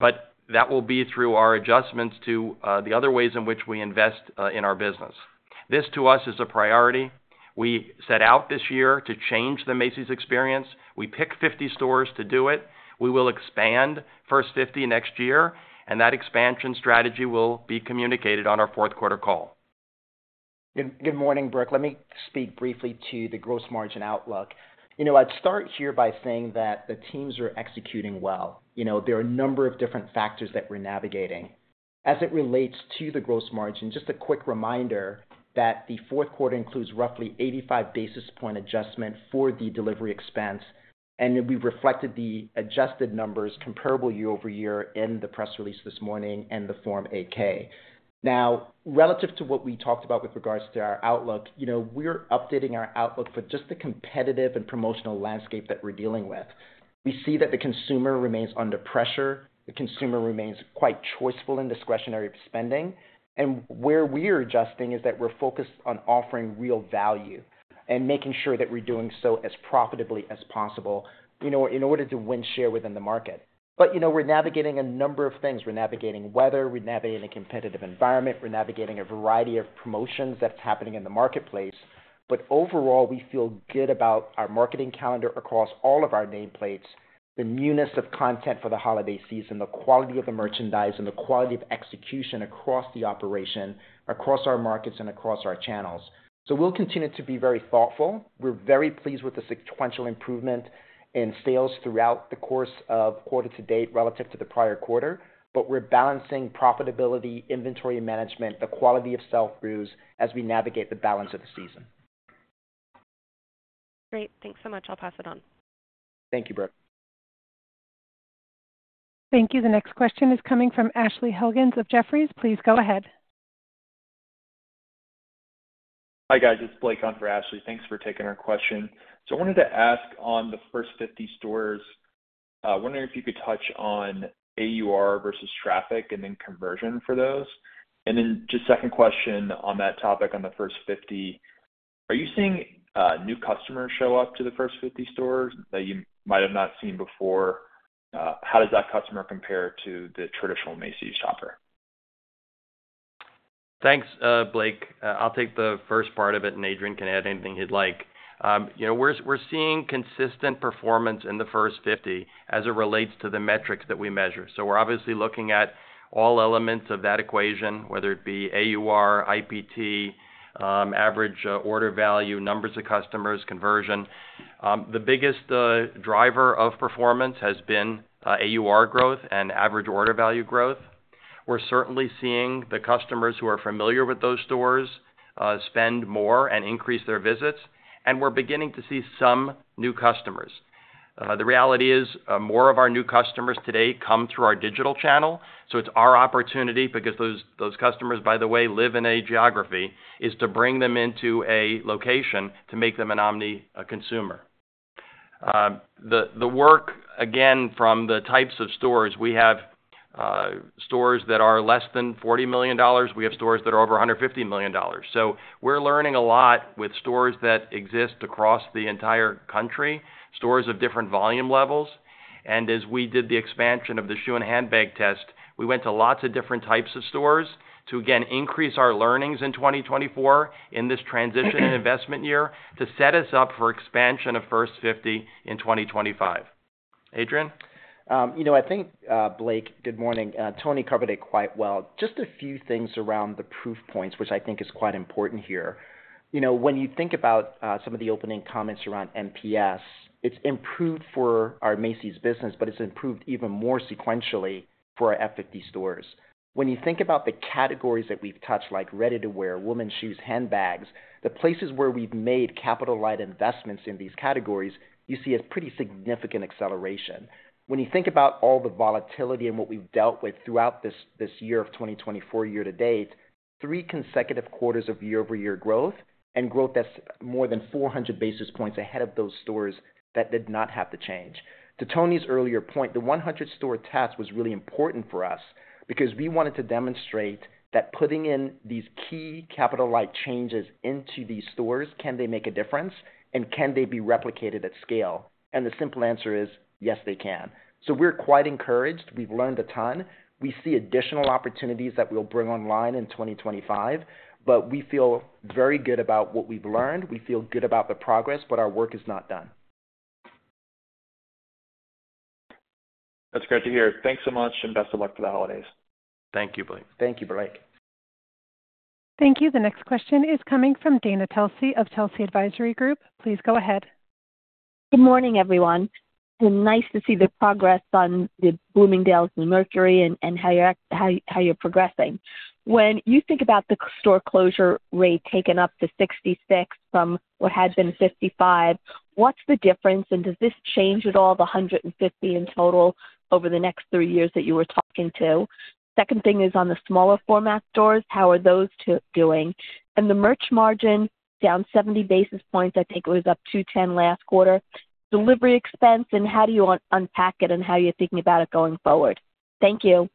but that will be through our adjustments to the other ways in which we invest in our business. This, to us, is a priority. We set out this year to change the Macy's experience. We picked 50 stores to do it. We will expand First 50 next year, and that expansion strategy will be communicated on our fourth quarter call. Good morning, Brooke. Let me speak briefly to the gross margin outlook. I'd start here by saying that the teams are executing well. There are a number of different factors that we're navigating. As it relates to the gross margin, just a quick reminder that the fourth quarter includes roughly 85 basis points adjustment for the delivery expense, and we reflected the adjusted numbers comparable year-over-year in the press release this morning and the Form 8-K. Now, relative to what we talked about with regards to our outlook, we're updating our outlook for just the competitive and promotional landscape that we're dealing with. We see that the consumer remains under pressure. The consumer remains quite choiceful in discretionary spending. Where we are adjusting is that we're focused on offering real value and making sure that we're doing so as profitably as possible in order to win share within the market. But we're navigating a number of things. We're navigating weather. We're navigating a competitive environment. We're navigating a variety of promotions that's happening in the marketplace. But overall, we feel good about our marketing calendar across all of our nameplates, the newness of content for the holiday season, the quality of the merchandise, and the quality of execution across the operation, across our markets, and across our channels. So we'll continue to be very thoughtful. We're very pleased with the sequential improvement in sales throughout the course of quarter to date relative to the prior quarter. But we're balancing profitability, inventory management, the quality of sell-throughs as we navigate the balance of the season. Great. Thanks so much. I'll pass it on. Thank you, Brooke. Thank you. The next question is coming from Ashley Helgans of Jefferies. Please go ahead. Hi, guys. It's Blake on for Ashley. Thanks for taking our question. So I wanted to ask on the First 50 stores, wondering if you could touch on AUR versus traffic and then conversion for those. And then just second question on that topic on the First 50, are you seeing new customers show up to the First 50 stores that you might have not seen before? How does that customer compare to the traditional Macy's shopper? Thanks, Blake. I'll take the first part of it, and Adrian can add anything he'd like. We're seeing consistent performance in the First 50 as it relates to the metrics that we measure. So we're obviously looking at all elements of that equation, whether it be AUR, IPT, average order value, numbers of customers, conversion. The biggest driver of performance has been AUR growth and average order value growth. We're certainly seeing the customers who are familiar with those stores spend more and increase their visits. And we're beginning to see some new customers. The reality is more of our new customers today come through our digital channel. So it's our opportunity because those customers, by the way, live in a geography, is to bring them into a location to make them an omni-consumer. The work, again, from the types of stores, we have stores that are less than $40 million. We have stores that are over $150 million. So we're learning a lot with stores that exist across the entire country, stores of different volume levels. As we did the expansion of the shoe and handbag test, we went to lots of different types of stores to, again, increase our learnings in 2024 in this transition and investment year to set us up for expansion of First 50 in 2025. Adrian? I think, Blake, good morning. Tony covered it quite well. Just a few things around the proof points, which I think is quite important here. When you think about some of the opening comments around NPS, it's improved for our Macy's business, but it's improved even more sequentially for our F50 stores. When you think about the categories that we've touched, like ready-to-wear, women's shoes, handbags, the places where we've made capital-light investments in these categories, you see a pretty significant acceleration. When you think about all the volatility and what we've dealt with throughout this year of 2024 year to date, three consecutive quarters of year-over-year growth and growth that's more than 400 basis points ahead of those stores that did not have to change. To Tony's earlier point, the 100-store test was really important for us because we wanted to demonstrate that putting in these key capital-light changes into these stores, can they make a difference, and can they be replicated at scale? And the simple answer is, yes, they can. So we're quite encouraged. We've learned a ton. We see additional opportunities that we'll bring online in 2025. But we feel very good about what we've learned. We feel good about the progress, but our work is not done. That's great to hear. Thanks so much, and best of luck for the holidays. Thank you, Blake. Thank you, Blake. Thank you. The next question is coming from Dana Telsey of Telsey Advisory Group. Please go ahead. Good morning, everyone, and nice to see the progress on the Bloomingdale's and Bluemercury and how you're progressing. When you think about the store closure rate taken up to 66 from what had been 55, what's the difference? And does this change at all the 150 in total over the next three years that you were talking to? Second thing is on the smaller format stores, how are those doing? And the merch margin down 70 basis points. I think it was up 210 last quarter. Delivery expense, and how do you unpack it and how you're thinking about it going forward? Thank you.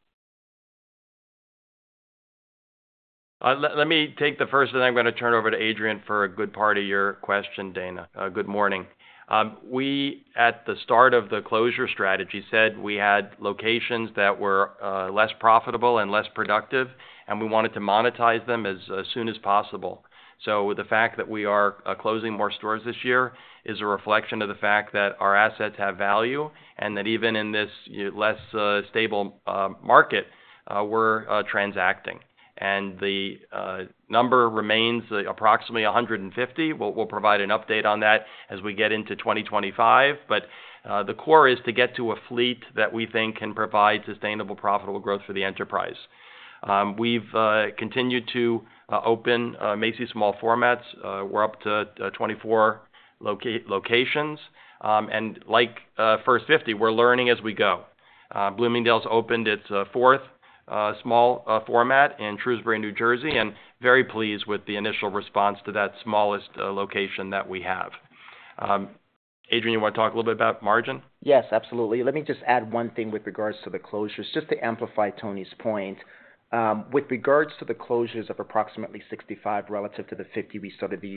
Let me take the first, and then I'm going to turn it over to Adrian for a good part of your question, Dana. Good morning. We, at the start of the closure strategy, said we had locations that were less profitable and less productive, and we wanted to monetize them as soon as possible. So the fact that we are closing more stores this year is a reflection of the fact that our assets have value and that even in this less stable market, we're transacting. And the number remains approximately 150. We'll provide an update on that as we get into 2025. But the core is to get to a fleet that we think can provide sustainable, profitable growth for the enterprise. We've continued to open Macy's small formats. We're up to 24 locations. And like First 50, we're learning as we go. Bloomingdale's opened its fourth small format in Shrewsbury, New Jersey, and we're very pleased with the initial response to that smallest location that we have. Adrian, you want to talk a little bit about margin? Yes, absolutely. Let me just add one thing with regards to the closures, just to amplify Tony's point. With regards to the closures of approximately 65 relative to the 50 we started the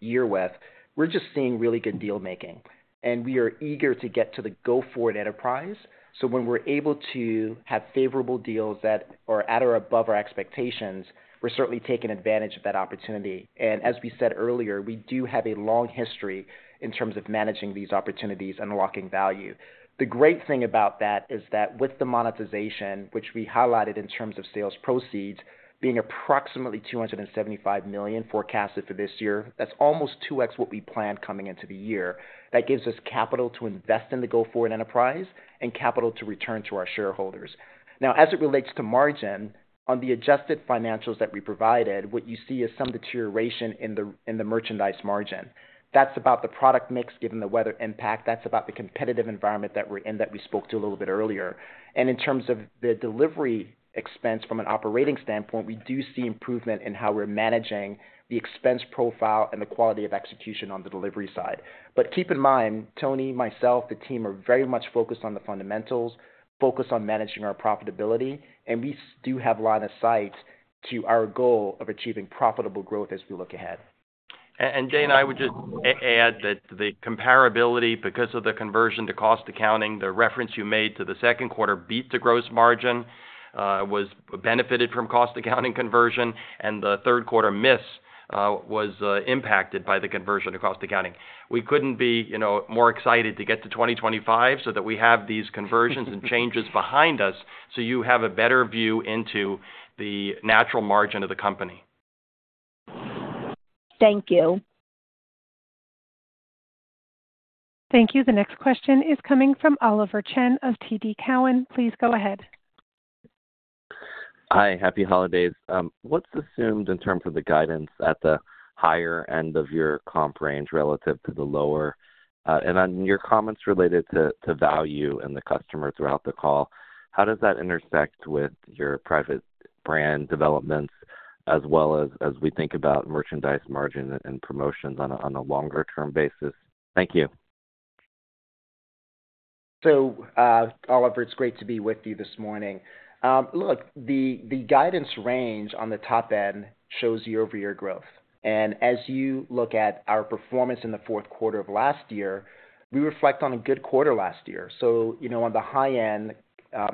year with, we're just seeing really good deal-making. And we are eager to get to the go-forward enterprise. So when we're able to have favorable deals that are at or above our expectations, we're certainly taking advantage of that opportunity. And as we said earlier, we do have a long history in terms of managing these opportunities and unlocking value. The great thing about that is that with the monetization, which we highlighted in terms of sales proceeds, being approximately $275 million forecasted for this year, that's almost 2x what we planned coming into the year. That gives us capital to invest in the go-forward enterprise and capital to return to our shareholders. Now, as it relates to margin, on the adjusted financials that we provided, what you see is some deterioration in the merchandise margin. That's about the product mix given the weather impact. That's about the competitive environment that we're in that we spoke to a little bit earlier. And in terms of the delivery expense from an operating standpoint, we do see improvement in how we're managing the expense profile and the quality of execution on the delivery side. But keep in mind, Tony, myself, the team are very much focused on the fundamentals, focused on managing our profitability, and we do have a lot of sight to our goal of achieving profitable growth as we look ahead. And Dana, I would just add that the comparability, because of the conversion to cost accounting, the reference you made to the second quarter beat the gross margin, was benefited from cost accounting conversion, and the third quarter miss was impacted by the conversion to cost accounting. We couldn't be more excited to get to 2025 so that we have these conversions and changes behind us so you have a better view into the natural margin of the company. Thank you. Thank you. The next question is coming from Oliver Chen of TD Cowen. Please go ahead. Hi, happy holidays. What's assumed in terms of the guidance at the higher end of your comp range relative to the lower? And on your comments related to value and the customer throughout the call, how does that intersect with your private brand developments as well as we think about merchandise margin and promotions on a longer-term basis? Thank you. So, Oliver, it's great to be with you this morning. Look, the guidance range on the top end shows year-over-year growth. And as you look at our performance in the fourth quarter of last year, we reflect on a good quarter last year. So on the high end,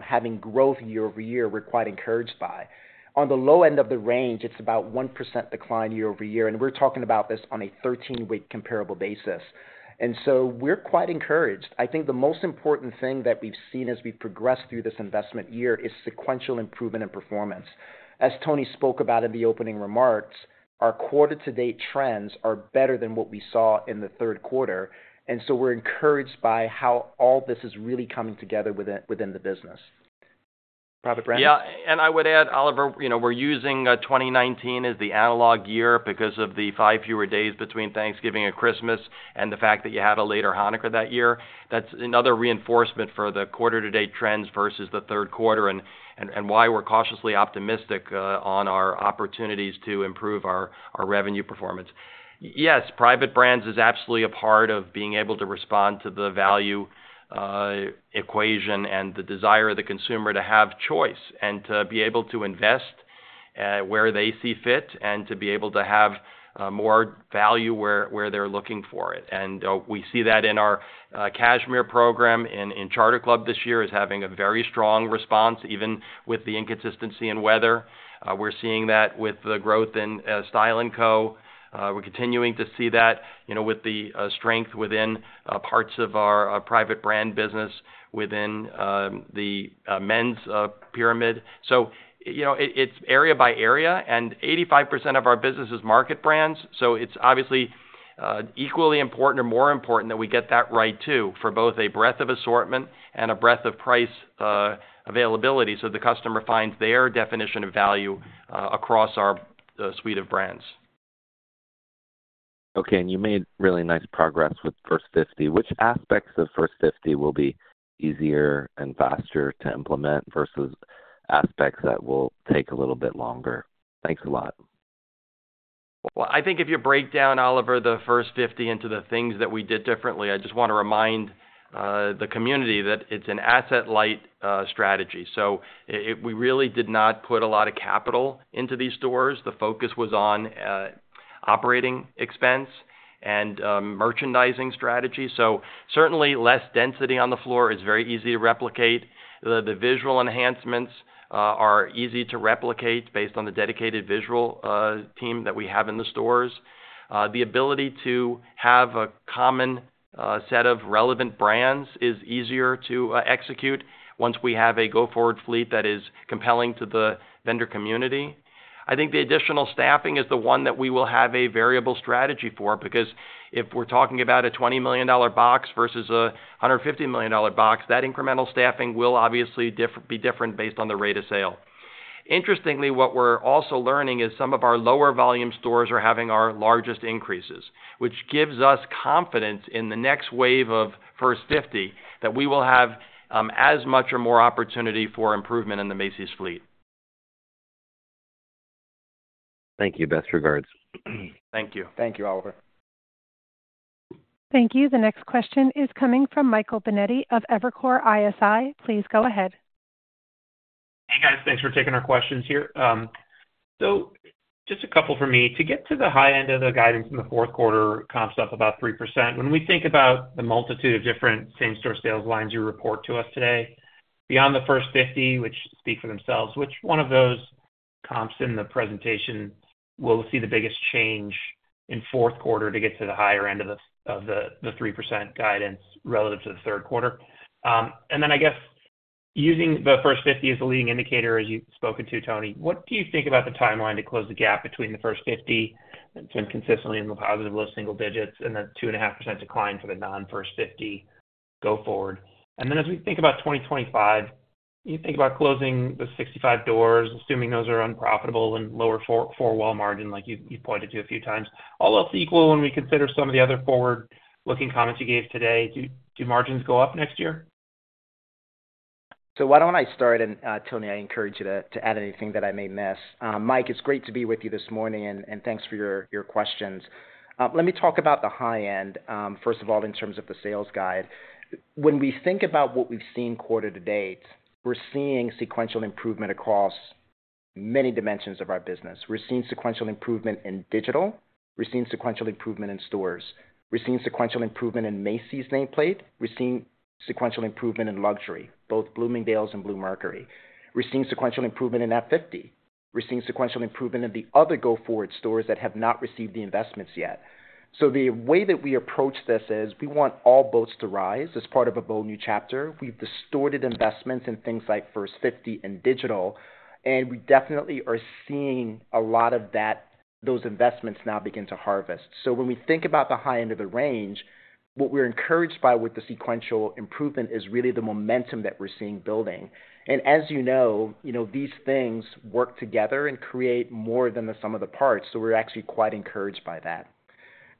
having growth year-over-year we're quite encouraged by. On the low end of the range, it's about 1% decline year-over-year. And we're talking about this on a 13-week comparable basis. And so we're quite encouraged. I think the most important thing that we've seen as we've progressed through this investment year is sequential improvement in performance. As Tony spoke about in the opening remarks, our quarter-to-date trends are better than what we saw in the third quarter, and so we're encouraged by how all this is really coming together within the business. Private brands? Yeah. I would add, Oliver, we're using 2019 as the analog year because of the five fewer days between Thanksgiving and Christmas and the fact that you had a later Hanukkah that year. That's another reinforcement for the quarter-to-date trends versus the third quarter and why we're cautiously optimistic on our opportunities to improve our revenue performance. Yes, private brands is absolutely a part of being able to respond to the value equation and the desire of the consumer to have choice and to be able to invest where they see fit and to be able to have more value where they're looking for it. We see that in our cashmere program in Charter Club this year as having a very strong response, even with the inconsistency in weather. We're seeing that with the growth in Style & Co. We're continuing to see that with the strength within parts of our private brand business within the men's pyramid. So it's area by area, and 85% of our business is market brands. So it's obviously equally important or more important that we get that right too for both a breadth of assortment and a breadth of price availability so the customer finds their definition of value across our suite of brands. Okay. You made really nice progress with First 50. Which aspects of First 50 will be easier and faster to implement versus aspects that will take a little bit longer? Thanks a lot. I think if you break down, Oliver, the First 50 into the things that we did differently. I just want to remind the community that it's an asset-light strategy. So we really did not put a lot of capital into these stores. The focus was on operating expense and merchandising strategy. So certainly, less density on the floor is very easy to replicate. The visual enhancements are easy to replicate based on the dedicated visual team that we have in the stores. The ability to have a common set of relevant brands is easier to execute once we have a go-forward fleet that is compelling to the vendor community. I think the additional staffing is the one that we will have a variable strategy for because if we're talking about a $20 million box versus a $150 million box, that incremental staffing will obviously be different based on the rate of sale. Interestingly, what we're also learning is some of our lower volume stores are having our largest increases, which gives us confidence in the next wave of First 50 that we will have as much or more opportunity for improvement in the Macy's fleet. Thank you. Best regards. Thank you. Thank you, Oliver. Thank you. The next question is coming from Michael Binetti of Evercore ISI. Please go ahead. Hey, guys. Thanks for taking our questions here. So just a couple for me. To get to the high end of the guidance in the fourth quarter comps up about 3%, when we think about the multitude of different same-store sales lines you report to us today, beyond the First 50, which speak for themselves, which one of those comps in the presentation will see the biggest change in fourth quarter to get to the higher end of the 3% guidance relative to the third quarter? And then I guess using the First 50 as a leading indicator, as you've spoken to, Tony, what do you think about the timeline to close the gap between the First 50, consistently in the positive low single digits, and the 2.5% decline for the non-First 50 go-forward? And then as we think about 2025, you think about closing the 65 doors, assuming those are unprofitable and lower four-wall margin like you've pointed to a few times. All else equal, when we consider some of the other forward-looking comments you gave today, do margins go up next year? So, why don't I start, and Tony, I encourage you to add anything that I may miss. Mike, it's great to be with you this morning, and thanks for your questions. Let me talk about the high end, first of all, in terms of the sales guide. When we think about what we've seen quarter to date, we're seeing sequential improvement across many dimensions of our business. We're seeing sequential improvement in digital. We're seeing sequential improvement in stores. We're seeing sequential improvement in Macy's nameplate. We're seeing sequential improvement in luxury, both Bloomingdale's and Bluemercury. We're seeing sequential improvement in F50. We're seeing sequential improvement in the other go-forward stores that have not received the investments yet. The way that we approach this is we want all boats to rise as part of a Bold New Chapter. We've distorted investments in things like First 50 and digital, and we definitely are seeing a lot of those investments now begin to harvest. When we think about the high end of the range, what we're encouraged by with the sequential improvement is really the momentum that we're seeing building. As you know, these things work together and create more than the sum of the parts. We're actually quite encouraged by that.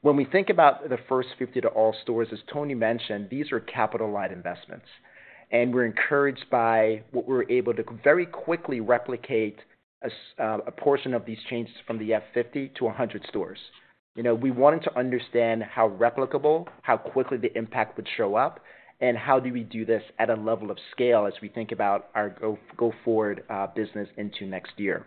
When we think about the First 50 to all stores, as Tony mentioned, these are capital-light investments. We're encouraged by what we're able to very quickly replicate a portion of these changes from the F50 to 100 stores. We wanted to understand how replicable, how quickly the impact would show up, and how do we do this at a level of scale as we think about our go-forward business into next year.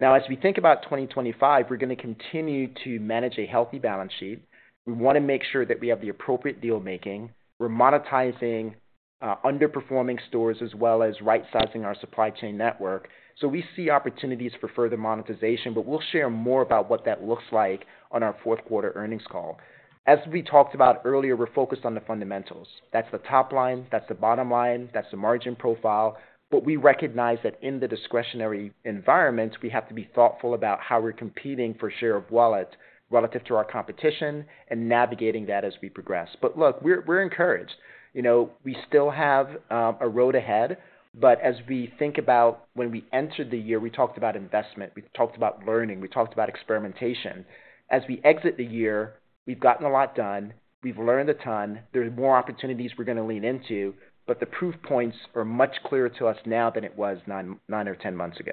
Now, as we think about 2025, we're going to continue to manage a healthy balance sheet. We want to make sure that we have the appropriate deal-making. We're monetizing underperforming stores as well as right-sizing our supply chain network. So we see opportunities for further monetization, but we'll share more about what that looks like on our fourth quarter earnings call. As we talked about earlier, we're focused on the fundamentals. That's the top line. That's the bottom line. That's the margin profile. But we recognize that in the discretionary environment, we have to be thoughtful about how we're competing for share of wallet relative to our competition and navigating that as we progress. But look, we're encouraged. We still have a road ahead. But as we think about when we entered the year, we talked about investment. We talked about learning. We talked about experimentation. As we exit the year, we've gotten a lot done. We've learned a ton. There are more opportunities we're going to lean into. But the proof points are much clearer to us now than it was nine or 10 months ago.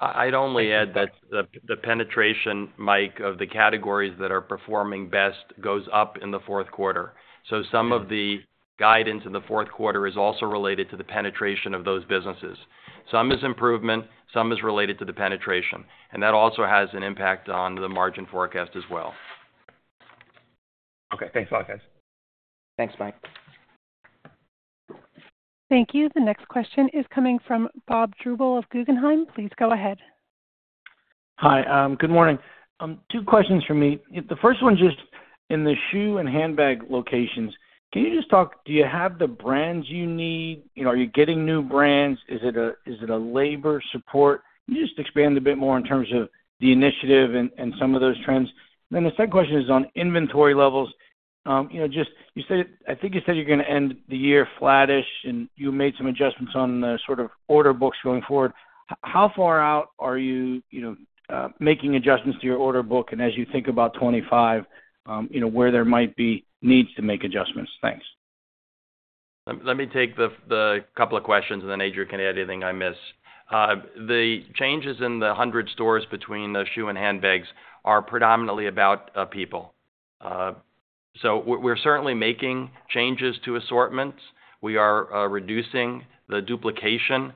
I'd only add that the penetration, Mike, of the categories that are performing best goes up in the fourth quarter. So some of the guidance in the fourth quarter is also related to the penetration of those businesses. Some is improvement. Some is related to the penetration. And that also has an impact on the margin forecast as well. Okay. Thanks a lot, guys. Thanks, Mike. Thank you. The next question is coming from Bob Drbul of Guggenheim. Please go ahead. Hi. Good morning. Two questions for me. The first one's just in the shoe and handbag locations. Can you just talk? Do you have the brands you need? Are you getting new brands? Is it a labor support? Can you just expand a bit more in terms of the initiative and some of those trends? And then the second question is on inventory levels. You think you said you're going to end the year flattish, and you made some adjustments on the sort of order books going forward. How far out are you making adjustments to your order book? And as you think about 2025, where there might be needs to make adjustments? Thanks. Let me take the couple of questions, and then Adrian can add anything I miss. The changes in the 100 stores between the shoes and handbags are predominantly about people. So we're certainly making changes to assortments. We are reducing the duplication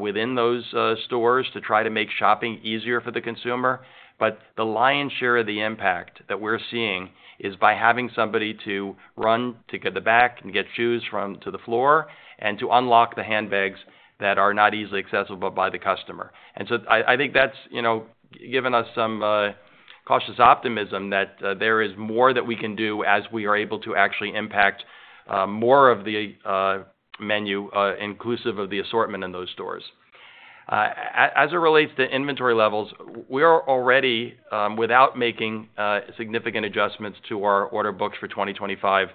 within those stores to try to make shopping easier for the consumer. But the lion's share of the impact that we're seeing is by having somebody to run to get the bag and get shoes to the floor and to unlock the handbags that are not easily accessible by the customer. And so I think that's given us some cautious optimism that there is more that we can do as we are able to actually impact more of the menu, inclusive of the assortment in those stores. As it relates to inventory levels, we are already, without making significant adjustments to our order books for 2025,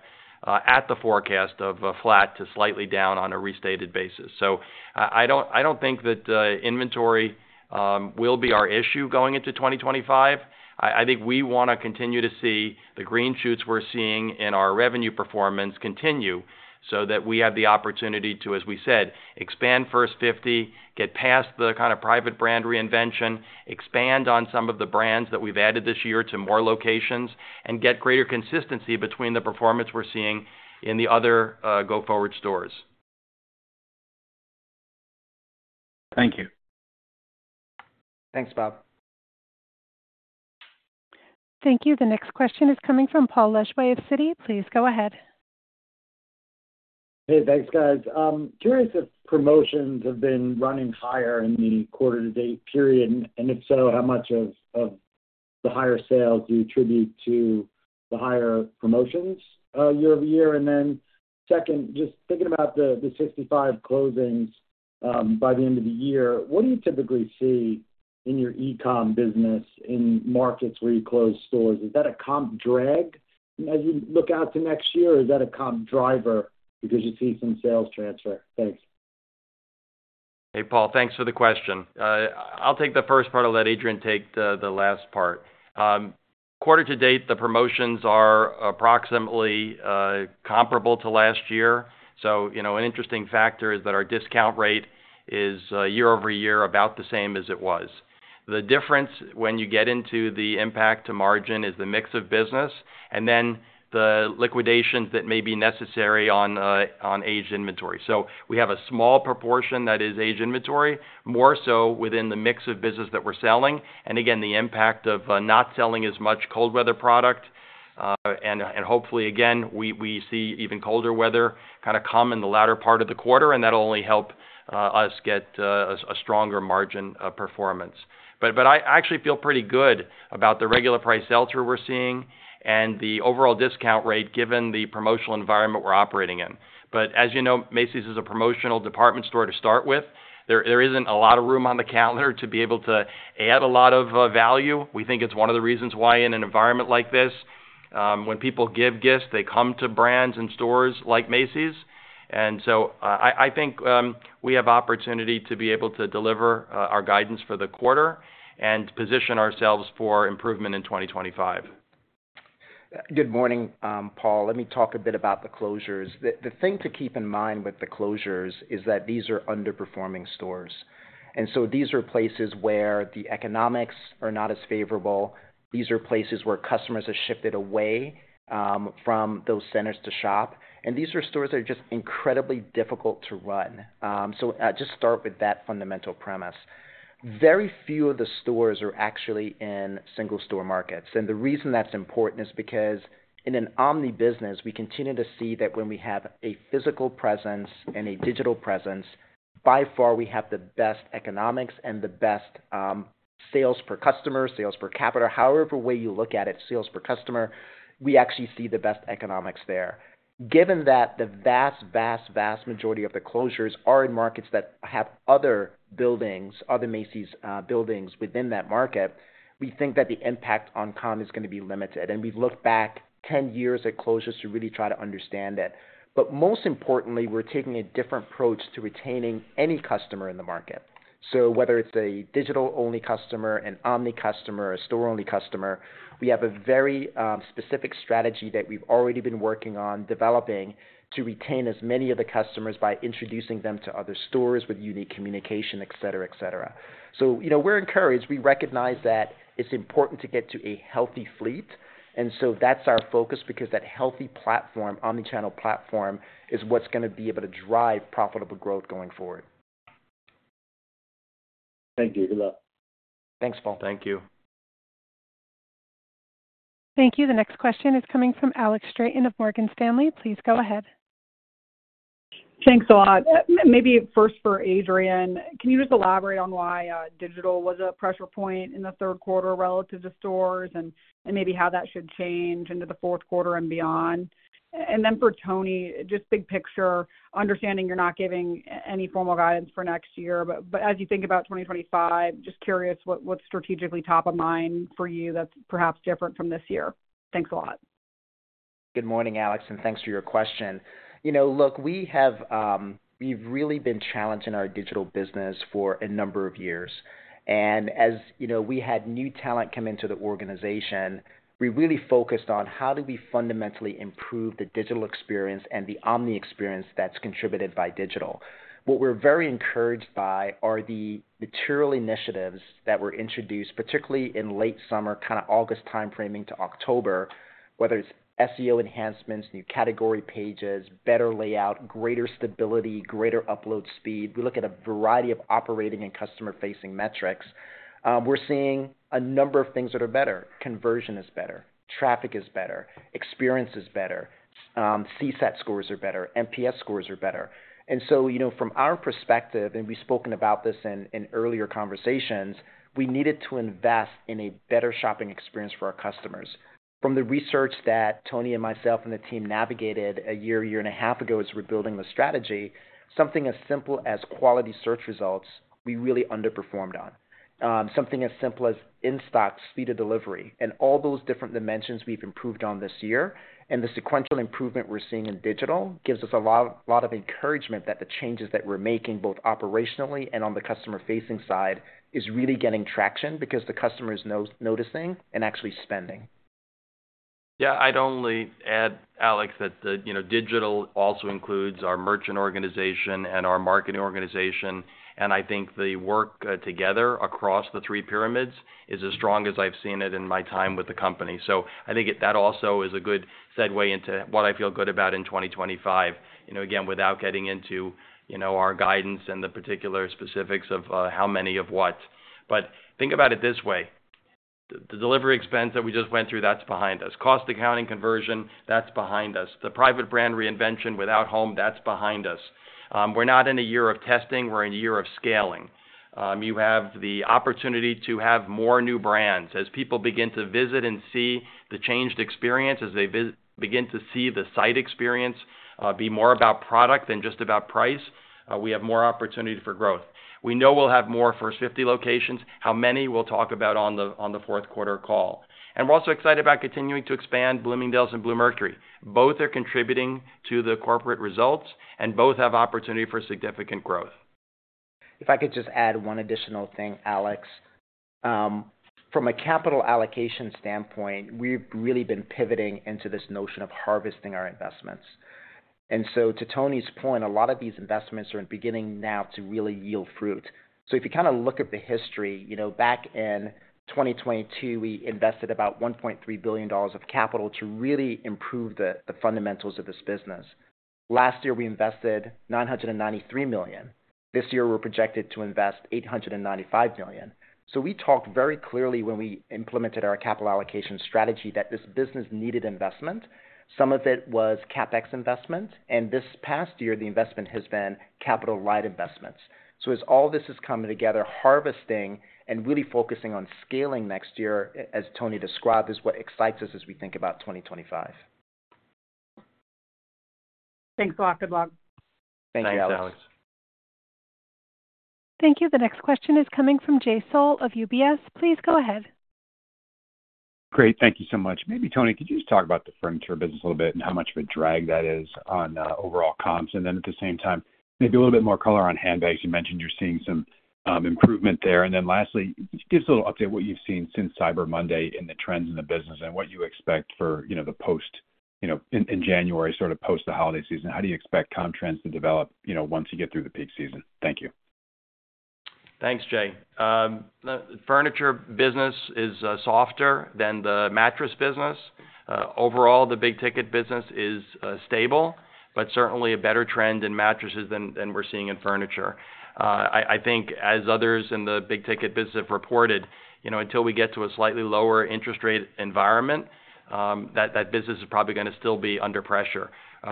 at the forecast of flat to slightly down on a restated basis. So I don't think that inventory will be our issue going into 2025. I think we want to continue to see the green shoots we're seeing in our revenue performance continue so that we have the opportunity to, as we said, expand First 50, get past the kind of private brand reinvention, expand on some of the brands that we've added this year to more locations, and get greater consistency between the performance we're seeing in the other go-forward stores. Thank you. Thanks, Bob. Thank you. The next question is coming from Paul Lejuez of Citi. Please go ahead. Hey, thanks, guys. Curious if promotions have been running higher in the quarter-to-date period. And if so, how much of the higher sales do you attribute to the higher promotions year over year? And then second, just thinking about the 65 closings by the end of the year, what do you typically see in your e-comm business in markets where you close stores? Is that a comp drag as you look out to next year, or is that a comp driver because you see some sales transfer? Thanks. Hey, Paul, thanks for the question. I'll take the first part of that. Adrian, take the last part. Quarter-to-date, the promotions are approximately comparable to last year. So an interesting factor is that our discount rate is year over year about the same as it was. The difference when you get into the impact to margin is the mix of business and then the liquidations that may be necessary on aged inventory. So we have a small proportion that is aged inventory, more so within the mix of business that we're selling. And again, the impact of not selling as much cold weather product. And hopefully, again, we see even colder weather kind of come in the latter part of the quarter, and that'll only help us get a stronger margin performance. But I actually feel pretty good about the regular price sell-through we're seeing and the overall discount rate given the promotional environment we're operating in. But as you know, Macy's is a promotional department store to start with. There isn't a lot of room on the calendar to be able to add a lot of value. We think it's one of the reasons why in an environment like this, when people give gifts, they come to brands and stores like Macy's. And so I think we have opportunity to be able to deliver our guidance for the quarter and position ourselves for improvement in 2025. Good morning, Paul. Let me talk a bit about the closures. The thing to keep in mind with the closures is that these are underperforming stores. And so these are places where the economics are not as favorable. These are places where customers have shifted away from those centers to shop. And these are stores that are just incredibly difficult to run. So I'll just start with that fundamental premise. Very few of the stores are actually in single-store markets. And the reason that's important is because in an omni business, we continue to see that when we have a physical presence and a digital presence, by far we have the best economics and the best sales per customer, sales per capita. However way you look at it, sales per customer, we actually see the best economics there. Given that the vast, vast, vast majority of the closures are in markets that have other buildings, other Macy's buildings within that market, we think that the impact on comps is going to be limited, and we've looked back 10 years at closures to really try to understand it, but most importantly, we're taking a different approach to retaining any customer in the market, so whether it's a digital-only customer, an omni customer, a store-only customer, we have a very specific strategy that we've already been working on developing to retain as many of the customers by introducing them to other stores with unique communication, etc., etc., so we're encouraged. We recognize that it's important to get to a healthy fleet, and so that's our focus because that healthy platform, omnichannel platform, is what's going to be able to drive profitable growth going forward. Thank you. Good luck. Thanks, Paul. Thank you. Thank you. The next question is coming from Alex Straton of Morgan Stanley. Please go ahead. Thanks a lot. Maybe first for Adrian, can you just elaborate on why digital was a pressure point in the third quarter relative to stores and maybe how that should change into the fourth quarter and beyond? And then for Tony, just big picture, understanding you're not giving any formal guidance for next year. But as you think about 2025, just curious what's strategically top of mind for you that's perhaps different from this year. Thanks a lot. Good morning, Alex, and thanks for your question. Look, we've really been challenged in our digital business for a number of years. And as we had new talent come into the organization, we really focused on how do we fundamentally improve the digital experience and the omni experience that's contributed by digital. What we're very encouraged by are the material initiatives that were introduced, particularly in late summer, kind of August timeframe to October, whether it's SEO enhancements, new category pages, better layout, greater stability, greater upload speed. We look at a variety of operating and customer-facing metrics. We're seeing a number of things that are better. Conversion is better. Traffic is better. Experience is better. CSAT scores are better. NPS scores are better, and so from our perspective, and we've spoken about this in earlier conversations, we needed to invest in a better shopping experience for our customers. From the research that Tony and myself and the team navigated a year, year and a half ago as we're building the strategy, something as simple as quality search results, we really underperformed on. Something as simple as in-stock speed of delivery and all those different dimensions we've improved on this year. And the sequential improvement we're seeing in digital gives us a lot of encouragement that the changes that we're making, both operationally and on the customer-facing side, is really getting traction because the customer is noticing and actually spending. Yeah, I'd only add, Alex, that digital also includes our merchant organization and our marketing organization. And I think the work together across the three pyramids is as strong as I've seen it in my time with the company. So I think that also is a good segue into what I feel good about in 2025. Again, without getting into our guidance and the particular specifics of how many of what. But think about it this way. The delivery expense that we just went through, that's behind us cost accounting conversion, that's behind us. The private brand reinvention without home, that's behind us. We're not in a year of testing. We're in a year of scaling. You have the opportunity to have more new brands. As people begin to visit and see the changed experience, as they begin to see the site experience be more about product than just about price, we have more opportunity for growth. We know we'll have more First 50 locations. How many, we'll talk about on the fourth quarter call. And we're also excited about continuing to expand Bloomingdale's and Bluemercury. Both are contributing to the corporate results, and both have opportunity for significant growth. If I could just add one additional thing, Alex. From a capital allocation standpoint, we've really been pivoting into this notion of harvesting our investments. And so to Tony's point, a lot of these investments are beginning now to really yield fruit. So if you kind of look at the history, back in 2022, we invested about $1.3 billion of capital to really improve the fundamentals of this business. Last year, we invested $993 million. This year, we're projected to invest $895 million. So we talked very clearly when we implemented our capital allocation strategy that this business needed investment. Some of it was CapEx investment. And this past year, the investment has been capital light investments. So as all this is coming together, harvesting and really focusing on scaling next year, as Tony described, is what excites us as we think about 2025. Thanks a lot. Good luck. Thank you, Alex. Thanks, Alex. Thank you. The next question is coming from Jay Sole of UBS. Please go ahead. Great. Thank you so much. Maybe, Tony, could you just talk about the furniture business a little bit and how much of a drag that is on overall comps? And then at the same time, maybe a little bit more color on handbags. You mentioned you're seeing some improvement there. And then lastly, just give us a little update on what you've seen since Cyber Monday and the trends in the business and what you expect for the post in January, sort of post the holiday season. How do you expect comp trends to develop once you get through the peak season? Thank you. Thanks, Jay. The furniture business is softer than the mattress business. Overall, the big-ticket business is stable, but certainly a better trend in mattresses than we're seeing in furniture. I think as others in the big-ticket business have reported, until we get to a slightly lower interest rate environment, that business is probably going to still be under pressure.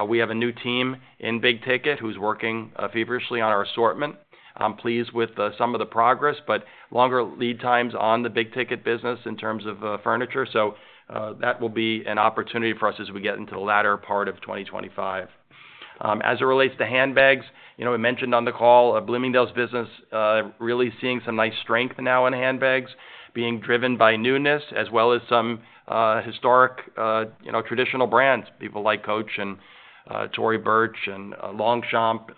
We have a new team in big-ticket who's working feverishly on our assortment. I'm pleased with some of the progress, but longer lead times on the big-ticket business in terms of furniture. So that will be an opportunity for us as we get into the latter part of 2025. As it relates to handbags, I mentioned on the call Bloomingdale's business really seeing some nice strength now in handbags being driven by newness as well as some historic traditional brands, people like Coach and Tory Burch and Longchamp,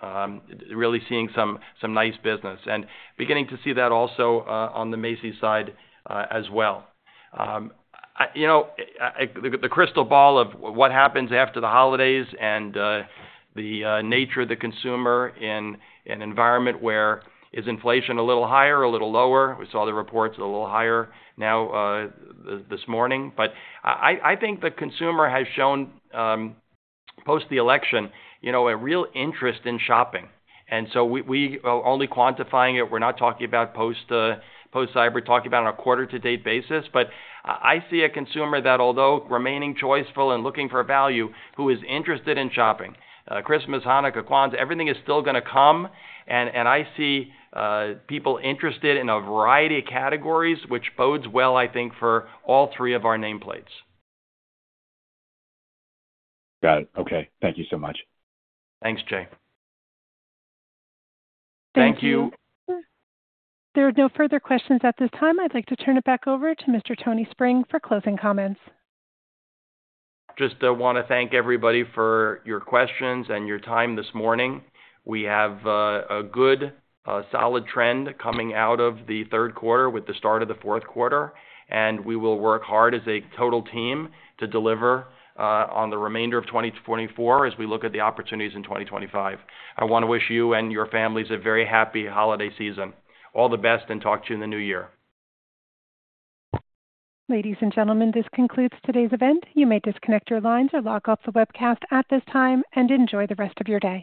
really seeing some nice business and beginning to see that also on the Macy's side as well. The crystal ball of what happens after the holidays and the nature of the consumer in an environment where is inflation a little higher, a little lower? We saw the reports a little higher now this morning. But I think the consumer has shown post the election a real interest in shopping. And so we are only quantifying it. We're not talking about post-Cyber, talking about on a quarter-to-date basis. But I see a consumer that, although remaining choiceful and looking for value, who is interested in shopping. Christmas, Hanukkah, Kwanzaa, everything is still going to come. And I see people interested in a variety of categories, which bodes well, I think, for all three of our nameplates. Got it. Okay. Thank you so much. Thanks, Jay. Thank you. There are no further questions at this time. I'd like to turn it back over to Mr. Tony Spring for closing comments. Just want to thank everybody for your questions and your time this morning. We have a good solid trend coming out of the third quarter with the start of the fourth quarter, and we will work hard as a total team to deliver on the remainder of 2024 as we look at the opportunities in 2025. I want to wish you and your families a very happy holiday season. All the best, and talk to you in the new year. Ladies and gentlemen, this concludes today's event. You may disconnect your lines or log off the webcast at this time and enjoy the rest of your day.